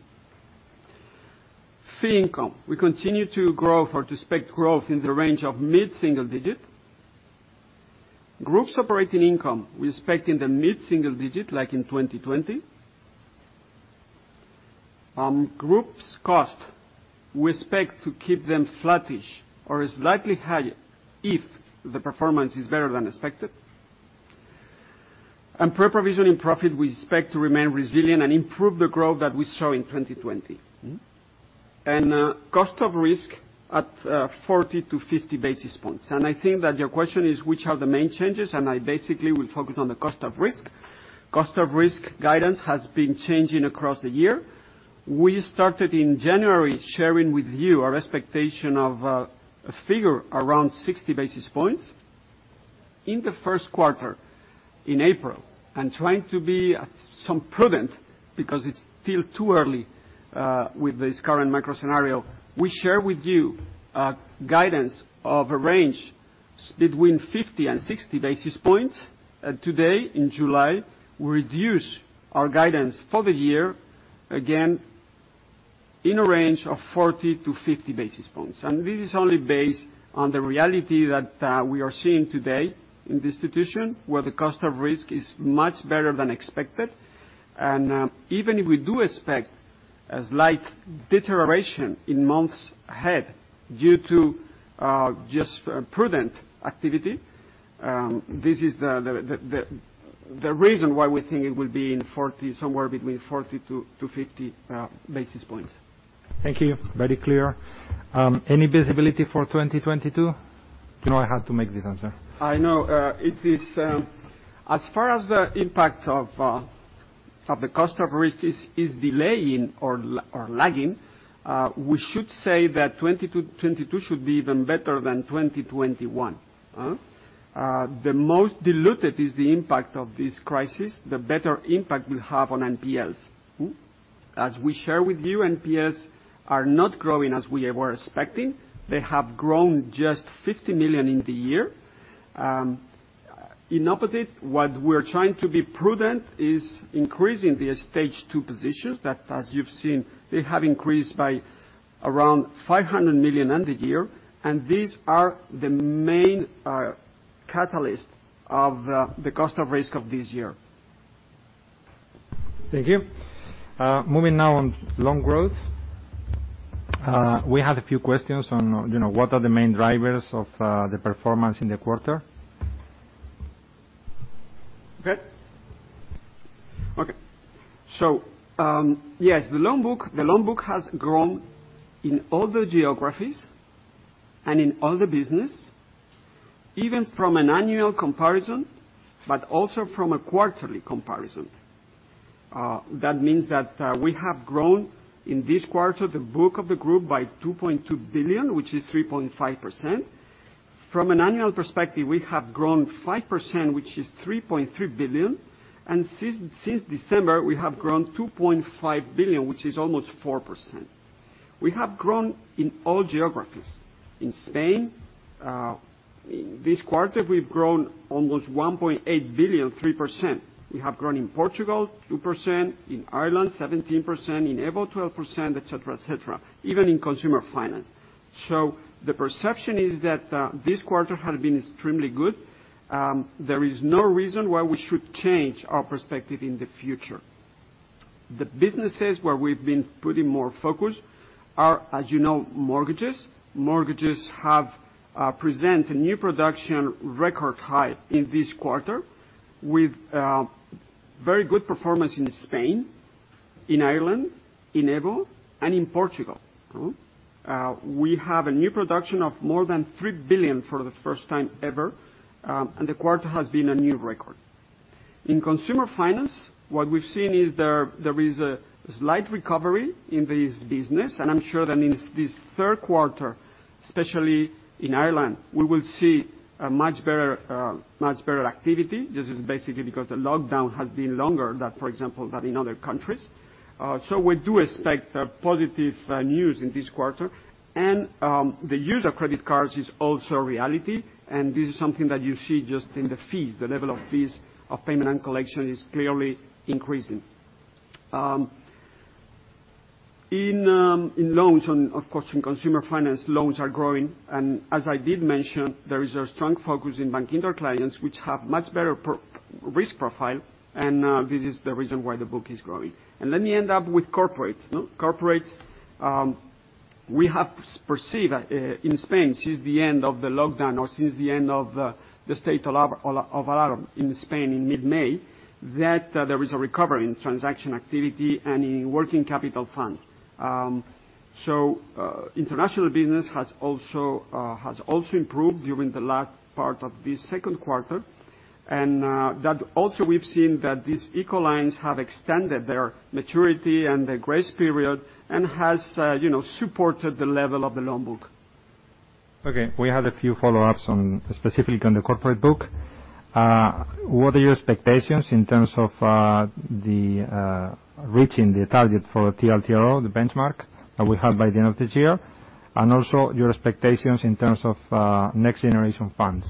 Fee income, we continue to grow or to expect growth in the range of mid-single digit. Group's operating income, we expect in the mid-single digit, like in 2020. Group's cost, we expect to keep them flattish or slightly higher if the performance is better than expected. Pre-provision profit, we expect to remain resilient and improve the growth that we saw in 2020. Cost of risk at 40-50 basis points. I think that your question is which are the main changes, and I basically will focus on the cost of risk. Cost of risk guidance has been changing across the year. We started in January sharing with you our expectation of a figure around 60 basis points. In the first quarter, in April, and trying to be some prudent, because it's still too early with this current micro scenario, we share with you a guidance of a range between 50 and 60 basis points. Today, in July, we reduce our guidance for the year, again, in a range of 40-50 basis points. This is only based on the reality that we are seeing today in this institution, where the cost of risk is much better than expected. Even if we do expect a slight deterioration in months ahead due to just prudent activity, this is the reason why we think it will be somewhere between 40-50 basis points. Thank you. Very clear. Any visibility for 2022? You know I had to make this answer. I know. As far as the impact of the cost of risk is delaying or lagging, we should say that 2022 should be even better than 2021. The most diluted is the impact of this crisis, the better impact we have on NPLs. As we share with you, NPLs are not growing as we were expecting. They have grown just 50 million in the year. In opposite, what we're trying to be prudent is increasing the Stage 2 positions. That, as you've seen, they have increased by around 500 million in the year, and these are the main catalyst of the cost of risk of this year. Thank you. Moving now on loan growth. We had a few questions on what are the main drivers of the performance in the quarter? Okay. Yes, the loan book has grown in all the geographies and in all the business, even from an annual comparison, but also from a quarterly comparison. That means that we have grown, in this quarter, the book of the group by 2.2 billion, which is 3.5%. From an annual perspective, we have grown 5%, which is 3.3 billion. Since December, we have grown 2.5 billion, which is almost 4%. We have grown in all geographies. In Spain, this quarter, we've grown almost 1.8 billion, 3%. We have grown in Portugal, 2%, in Ireland, 17%, in EVO, 12%, et cetera. Even in consumer finance. The perception is that this quarter has been extremely good. There is no reason why we should change our perspective in the future. The businesses where we've been putting more focus are, as you know, mortgages. Mortgages have present a new production record high in this quarter with very good performance in Spain, in Ireland, in EVO, and in Portugal. We have a new production of more than 3 billion for the first time ever, the quarter has been a new record. In consumer finance, what we've seen is there is a slight recovery in this business, and I'm sure that in this third quarter, especially in Ireland, we will see a much better activity. This is basically because the lockdown has been longer, for example, than in other countries. We do expect positive news in this quarter. The use of credit cards is also a reality, and this is something that you see just in the fees. The level of fees of payment and collection is clearly increasing. In loans and, of course, in consumer finance, loans are growing. As I did mention, there is a strong focus in Bankinter clients, which have much better risk profile, and this is the reason why the book is growing. Let me end up with corporates. Corporates, we have perceived that in Spain, since the end of the lockdown or since the end of the state of alarm in Spain in mid-May, that there is a recovery in transaction activity and in working capital funds. International business has also improved during the last part of this second quarter. That also we've seen that these ICOs loans have extended their maturity and their grace period, and has supported the level of the loan book. We had a few follow-ups specifically on the corporate book. What are your expectations in terms of reaching the target for TLTRO, the benchmark that we have by the end of this year, and also your expectations in terms of NextGeneration funds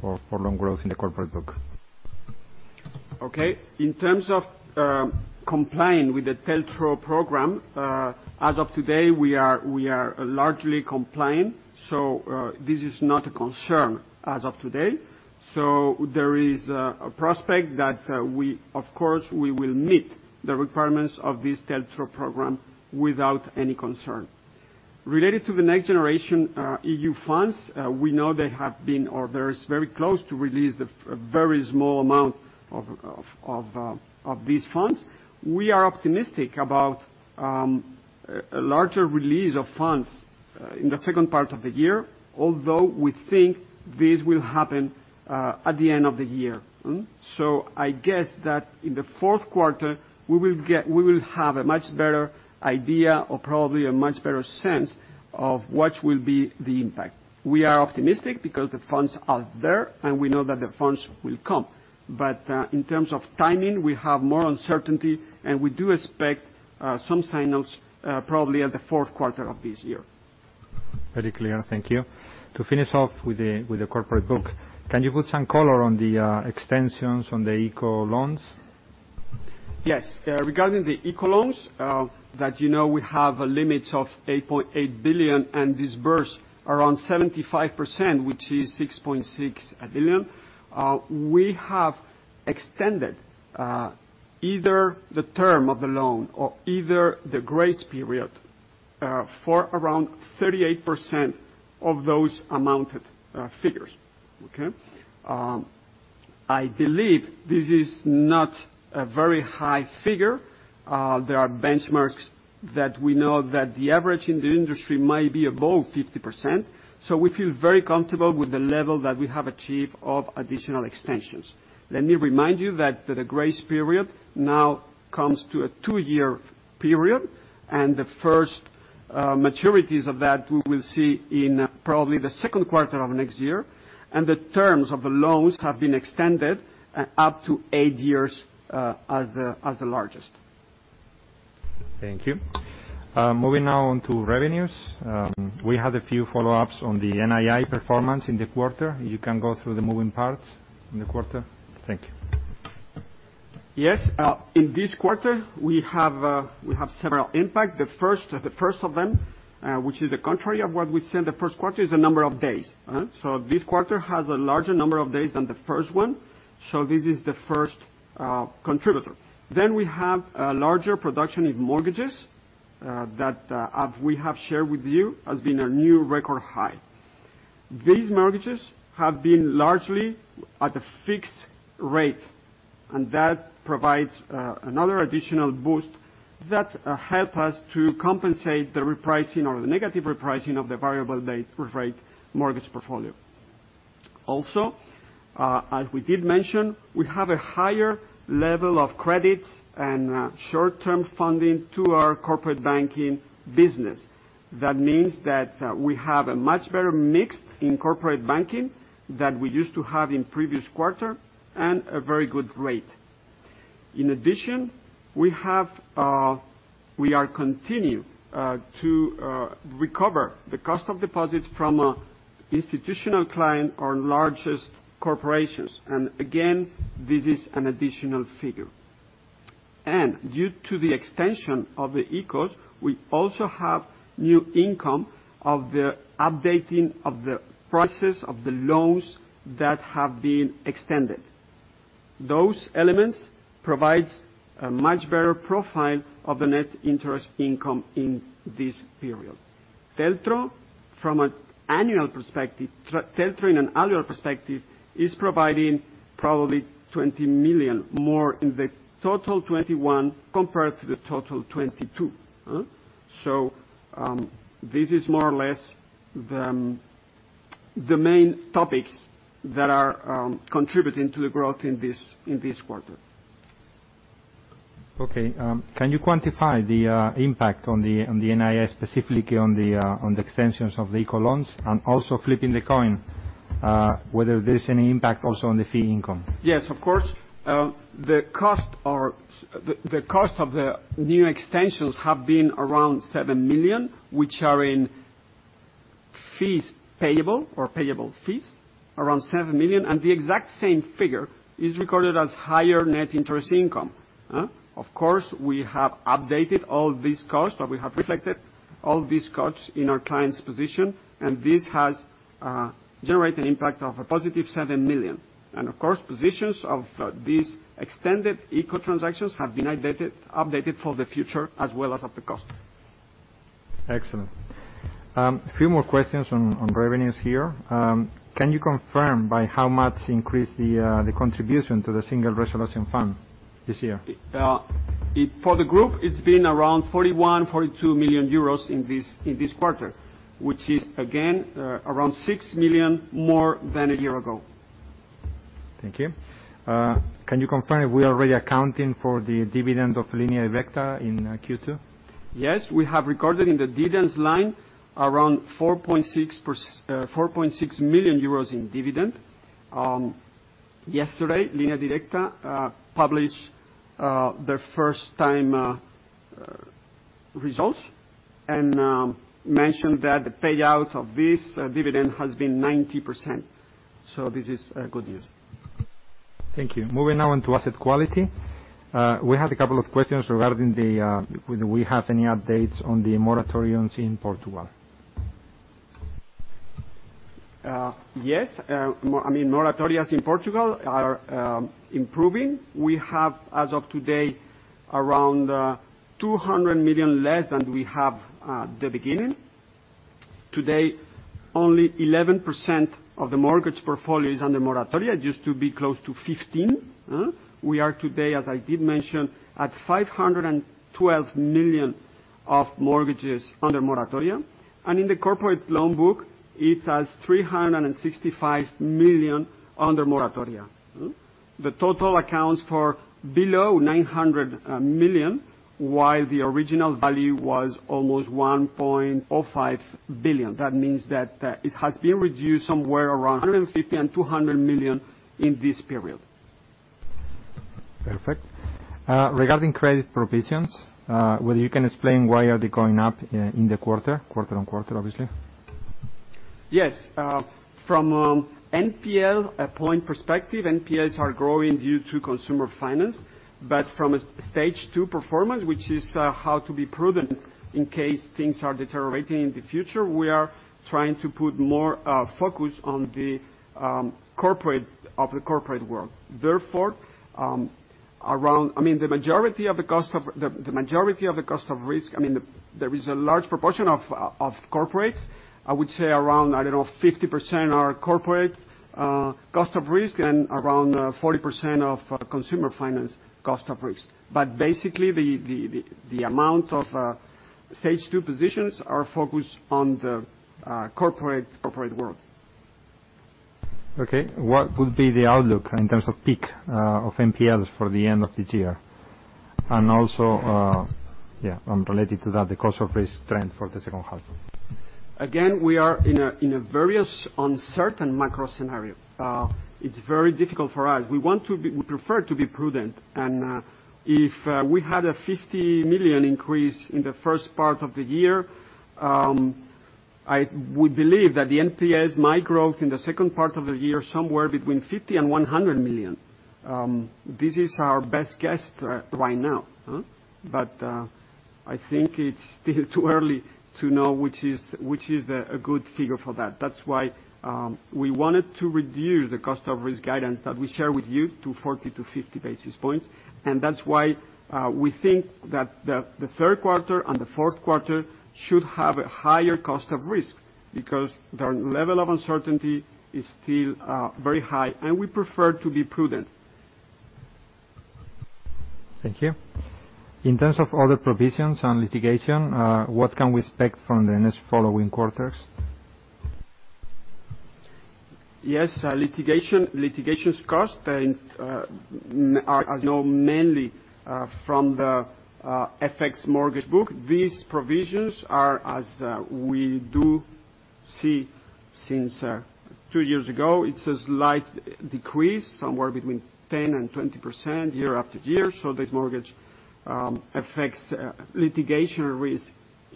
for loan growth in the corporate book? In terms of complying with the TLTRO program, as of today, we are largely compliant. This is not a concern as of today. There is a prospect that, of course, we will meet the requirements of this TLTRO program without any concern. Related to the NextGenerationEU funds, we know they have been, or very close to release a very small amount of these funds. We are optimistic about a larger release of funds in the second part of the year, although we think this will happen at the end of the year. I guess that in the fourth quarter, we will have a much better idea or probably a much better sense of what will be the impact. We are optimistic because the funds are there, and we know that the funds will come. In terms of timing, we have more uncertainty, and we do expect some signals probably at the fourth quarter of this year. Very clear. Thank you. To finish off with the corporate book, can you put some color on the extensions on the ICO loans? Yes. Regarding the ICO loans, that you know we have a limit of 8.8 billion and disbursed around 75%, which is 6.6 billion. We have extended either the term of the loan or either the grace period, for around 38% of those amounted figures. Okay? I believe this is not a very high figure. There are benchmarks that we know that the average in the industry might be above 50%. We feel very comfortable with the level that we have achieved of additional extensions. Let me remind you that the grace period now comes to a two-year period, and the first maturities of that we will see in probably the second quarter of next year, and the terms of the loans have been extended up to eight years as the largest. Thank you. Moving now on to revenues. We had a few follow-ups on the NII performance in the quarter. You can go through the moving parts in the quarter. Thank you. Yes. In this quarter, we have several impacts. The first of them, which is the contrary of what we said the first quarter, is the number of days. This quarter has a larger number of days than the first one. This is the first contributor. We have a larger production in mortgages, that we have shared with you, has been a new record high. These mortgages have been largely at a fixed rate, and that provides another additional boost that helps us to compensate the repricing or the negative repricing of the variable rate mortgage portfolio. Also, as we did mention, we have a higher level of credits and short-term funding to our corporate banking business. That means that we have a much better mix in corporate banking than we used to have in previous quarter and a very good rate. In addition, we are continue to recover the cost of deposits from an institutional client our largest corporations. Again, this is an additional figure. Due to the extension of the ICOs, we also have new income of the updating of the prices of the loans that have been extended. Those elements provides a much better profile of the net interest income in this period. TLTRO, from an annual perspective, is providing probably 20 million more in the total 2021 compared to the total 2022. This is more or less the main topics that are contributing to the growth in this quarter. Okay. Can you quantify the impact on the NII, specifically on the extensions of the ICO loans and also flipping the coin, whether there's any impact also on the fee income? Yes, of course. The cost of the new extensions have been around 7 million, which are in fees payable or payable fees, around 7 million. The exact same figure is recorded as higher net interest income. Of course, we have updated all these costs, or we have reflected all these costs in our client's position. This has generated impact of a positive 7 million. Of course, positions of these extended ICO transactions have been updated for the future as well as of the cost. Excellent. A few more questions on revenues here. Can you confirm by how much increased the contribution to the Single Resolution Fund this year? For the group, it's been around 41 million-42 million euros in this quarter, which is again, around 6 million more than a year ago. Thank you. Can you confirm if we are already accounting for the dividend of Línea Directa in Q2? Yes, we have recorded in the dividends line around 4.6 million euros in dividend. Yesterday, Línea Directa published their first time results and mentioned that the payout of this dividend has been 90%. This is good news. Thank you. Moving now into asset quality. We had a couple of questions regarding whether we have any updates on the moratoriums in Portugal. Yes. Moratoriums in Portugal are improving. We have, as of today, around 200 million less than we have at the beginning. Today, only 11% of the mortgage portfolio is under moratoria. It used to be close to 15%. We are today, as I did mention, at 512 million of mortgages under moratoria. In the corporate loan book, it has 365 million under moratoria. The total accounts for below 900 million, while the original value was almost 1.05 billion. That means that it has been reduced somewhere around 150 million and 200 million in this period. Perfect. Regarding credit provisions, whether you can explain why are they going up in the quarter-on-quarter, obviously? Yes. From NPL point perspective, NPLs are growing due to consumer finance. From a Stage 2 performance, which is how to be prudent in case things are deteriorating in the future, we are trying to put more focus on the corporate of the corporate world. Therefore, the majority of the cost of risk, there is a large proportion of corporates. I would say around, I don't know, 50% are corporate cost of risk and around 40% of consumer finance cost of risk. Basically, the amount of Stage 2 positions are focused on the corporate world. Okay. What would be the outlook in terms of peak of NPLs for the end of the year? Also, related to that, the cost of risk trend for the second half? We are in a very uncertain macro scenario. It's very difficult for us. We prefer to be prudent, and if we had a 50 million increase in the first part of the year, we believe that the NPLs might grow in the second part of the year, somewhere between 50 million and 100 million. This is our best guess right now. I think it's still too early to know which is a good figure for that. That's why we wanted to reduce the cost of risk guidance that we share with you to 40-50 basis points. That's why we think that the third quarter and the fourth quarter should have a higher cost of risk, because the level of uncertainty is still very high, and we prefer to be prudent. Thank you. In terms of other provisions and litigation, what can we expect from the next following quarters? Yes. Litigation costs are known mainly from the FX mortgage book. These provisions are, as we do see since two years ago, it's a slight decrease, somewhere between 10% and 20% year after year. This mortgage FX litigation risk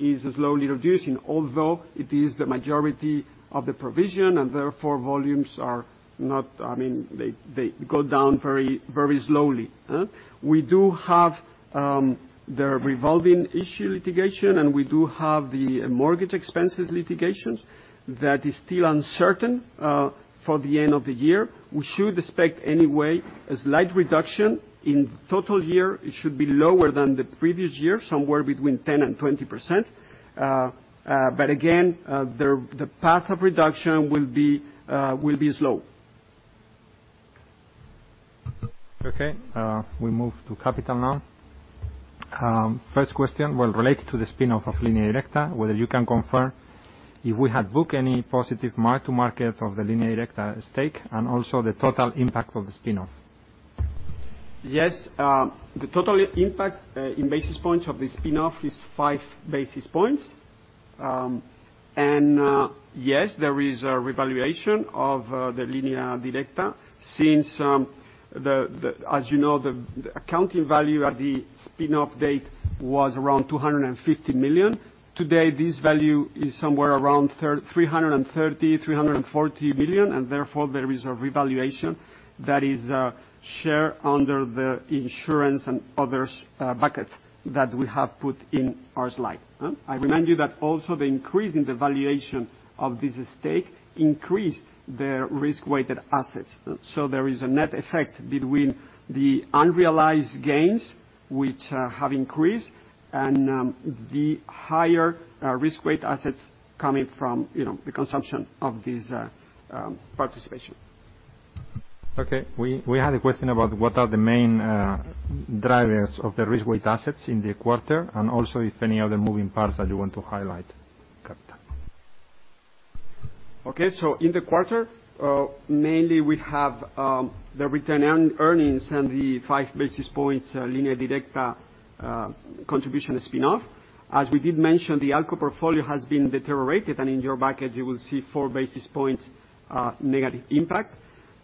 is slowly reducing, although it is the majority of the provision, and therefore volumes go down very slowly. We do have the revolving issue litigation, and we do have the mortgage expenses litigations. That is still uncertain for the end of the year. We should expect anyway, a slight reduction. In total year, it should be lower than the previous year, somewhere between 10% and 20%. Again, the path of reduction will be slow. Okay. We move to capital now. First question, related to the spinoff of Línea Directa, whether you can confirm if we had booked any positive mark-to-market of the Línea Directa stake, and also the total impact of the spinoff? Yes. The total impact in basis points of the spinoff is 5 basis points. Yes, there is a revaluation of the Línea Directa since, as you know, the accounting value at the spinoff date was around 250 million. Today, this value is somewhere around 330 million-340 million. Therefore, there is a revaluation that is shared under the insurance and others bucket that we have put in our slide. I remind you that also the increase in the valuation of this stake increased the risk-weighted assets. There is a net effect between the unrealized gains, which have increased, and the higher risk-weighted assets coming from the consumption of this participation. Okay. We had a question about what are the main drivers of the risk-weighted assets in the quarter, and also if any other moving parts that you want to highlight. Okay. In the quarter, mainly we have the return earnings and the 5 basis points Línea Directa contribution spin-off. As we did mention, the ALCO portfolio has been deteriorated, and in your package you will see 4 basis points negative impact.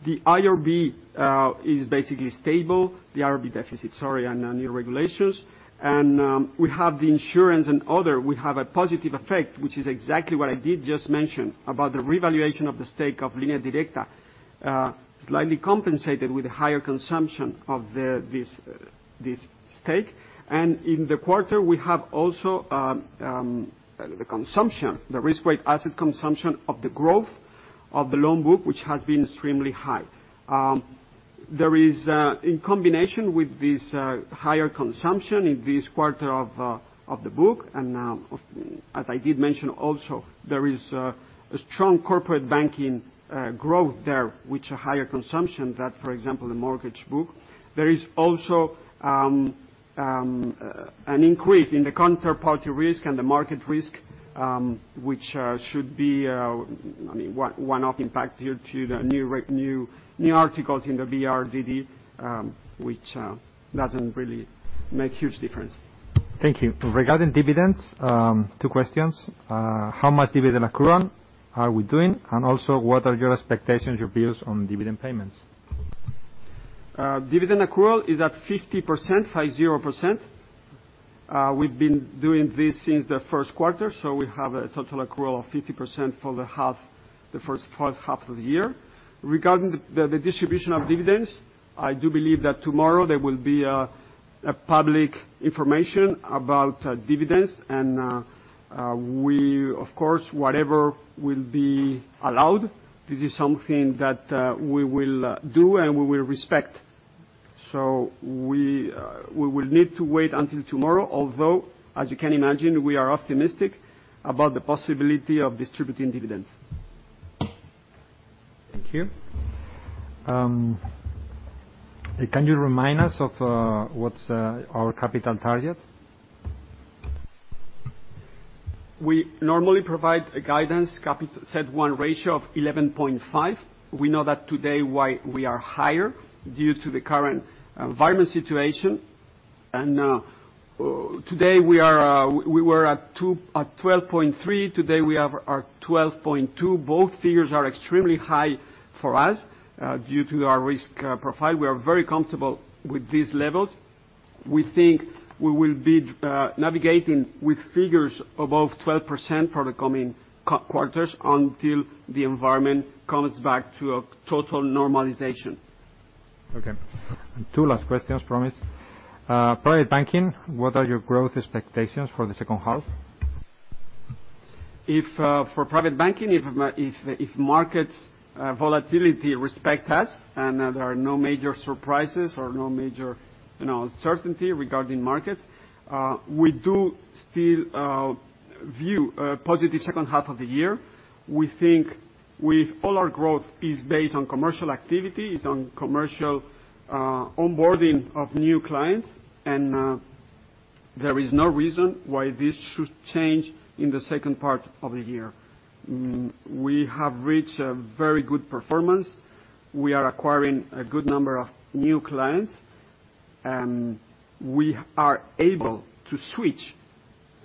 The IRB is basically stable, the IRB deficit, sorry, on new regulations. We have the insurance and other, we have a positive effect, which is exactly what I did just mention about the revaluation of the stake of Línea Directa, slightly compensated with higher consumption of this stake. In the quarter, we have also the consumption, the risk-weighted asset consumption of the growth of the loan book, which has been extremely high. In combination with this higher consumption in this quarter of the book, and as I did mention also, there is a strong corporate banking growth there, which a higher consumption than, for example, the mortgage book. There is also an increase in the counterparty risk and the market risk, which should be a one-off impact due to the new articles in the BRRD, which doesn't really make huge difference. Thank you. Regarding dividends, two questions. How much dividend accrual are we doing, and also what are your expectations, your views on dividend payments? Dividend accrual is at 50%. We've been doing this since the first quarter, we have a total accrual of 50% for the first half of the year. Regarding the distribution of dividends, I do believe that tomorrow there will be a public information about dividends, and we, of course, whatever will be allowed, this is something that we will do and we will respect. We will need to wait until tomorrow, although, as you can imagine, we are optimistic about the possibility of distributing dividends. Thank you. Can you remind us of what's our capital target? We normally provide a guidance CET1 ratio of 11.5%. We know that today why we are higher due to the current environment situation. Today we were at 12.3%, today we are 12.2%. Both figures are extremely high for us due to our risk profile. We are very comfortable with these levels. We think we will be navigating with figures above 12% for the coming quarters until the environment comes back to a total normalization. Okay. two last questions, promise. Private banking, what are your growth expectations for the second half? For private banking, if markets volatility respect us and there are no major surprises or no major uncertainty regarding markets, we do still view a positive second half of the year. We think with all our growth is based on commercial activity, it's on commercial onboarding of new clients. There is no reason why this should change in the second part of the year. We have reached a very good performance. We are acquiring a good number of new clients. We are able to switch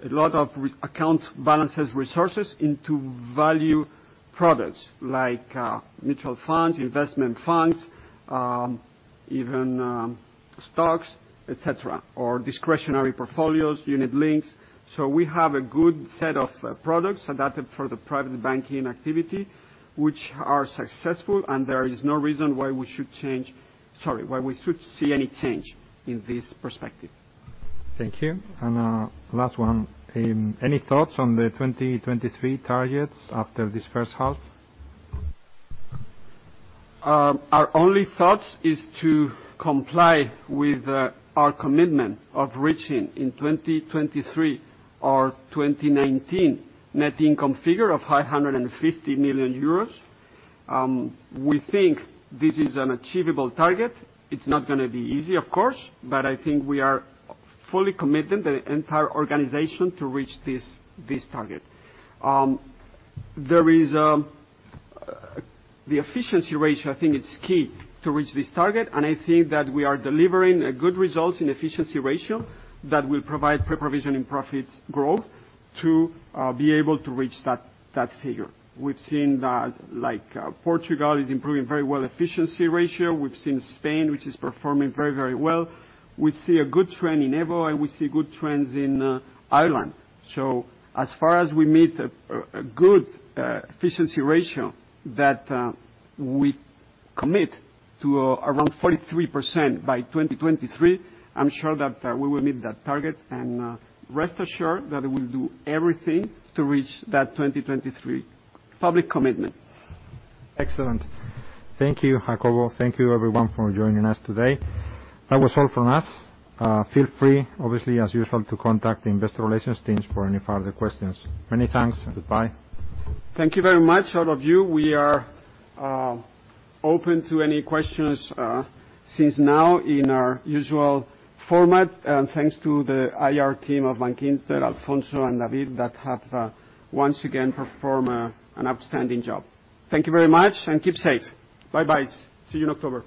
a lot of account balances resources into value products like mutual funds, investment funds, even stocks, et cetera, or discretionary portfolios, unit links. We have a good set of products adapted for the private banking activity, which are successful, and there is no reason why we should see any change in this perspective. Thank you. Last one. Any thoughts on the 2023 targets after this first half? Our only thoughts is to comply with our commitment of reaching in 2023 our 2019 net income figure of 550 million euros. We think this is an achievable target. It's not going to be easy, of course, but I think we are fully committed, the entire organization, to reach this target. The efficiency ratio, I think it's key to reach this target, and I think that we are delivering good results in efficiency ratio that will provide pre-provision profit growth to be able to reach that figure. We've seen that Portugal is improving very well efficiency ratio. We've seen Spain, which is performing very well. We see a good trend in EVO, and we see good trends in Ireland. As far as we meet a good efficiency ratio that we commit to around 43% by 2023, I'm sure that we will meet that target. Rest assured that we will do everything to reach that 2023 public commitment. Excellent. Thank you, Jacobo. Thank you, everyone, for joining us today. That was all from us. Feel free, obviously, as usual, to contact the investor relations teams for any further questions. Many thanks. Goodbye. Thank you very much, all of you. We are open to any questions since now in our usual format. Thanks to the IR team of Bankinter, Alfonso and David, that have once again performed an outstanding job. Thank you very much. Keep safe. Bye-bye. See you in October.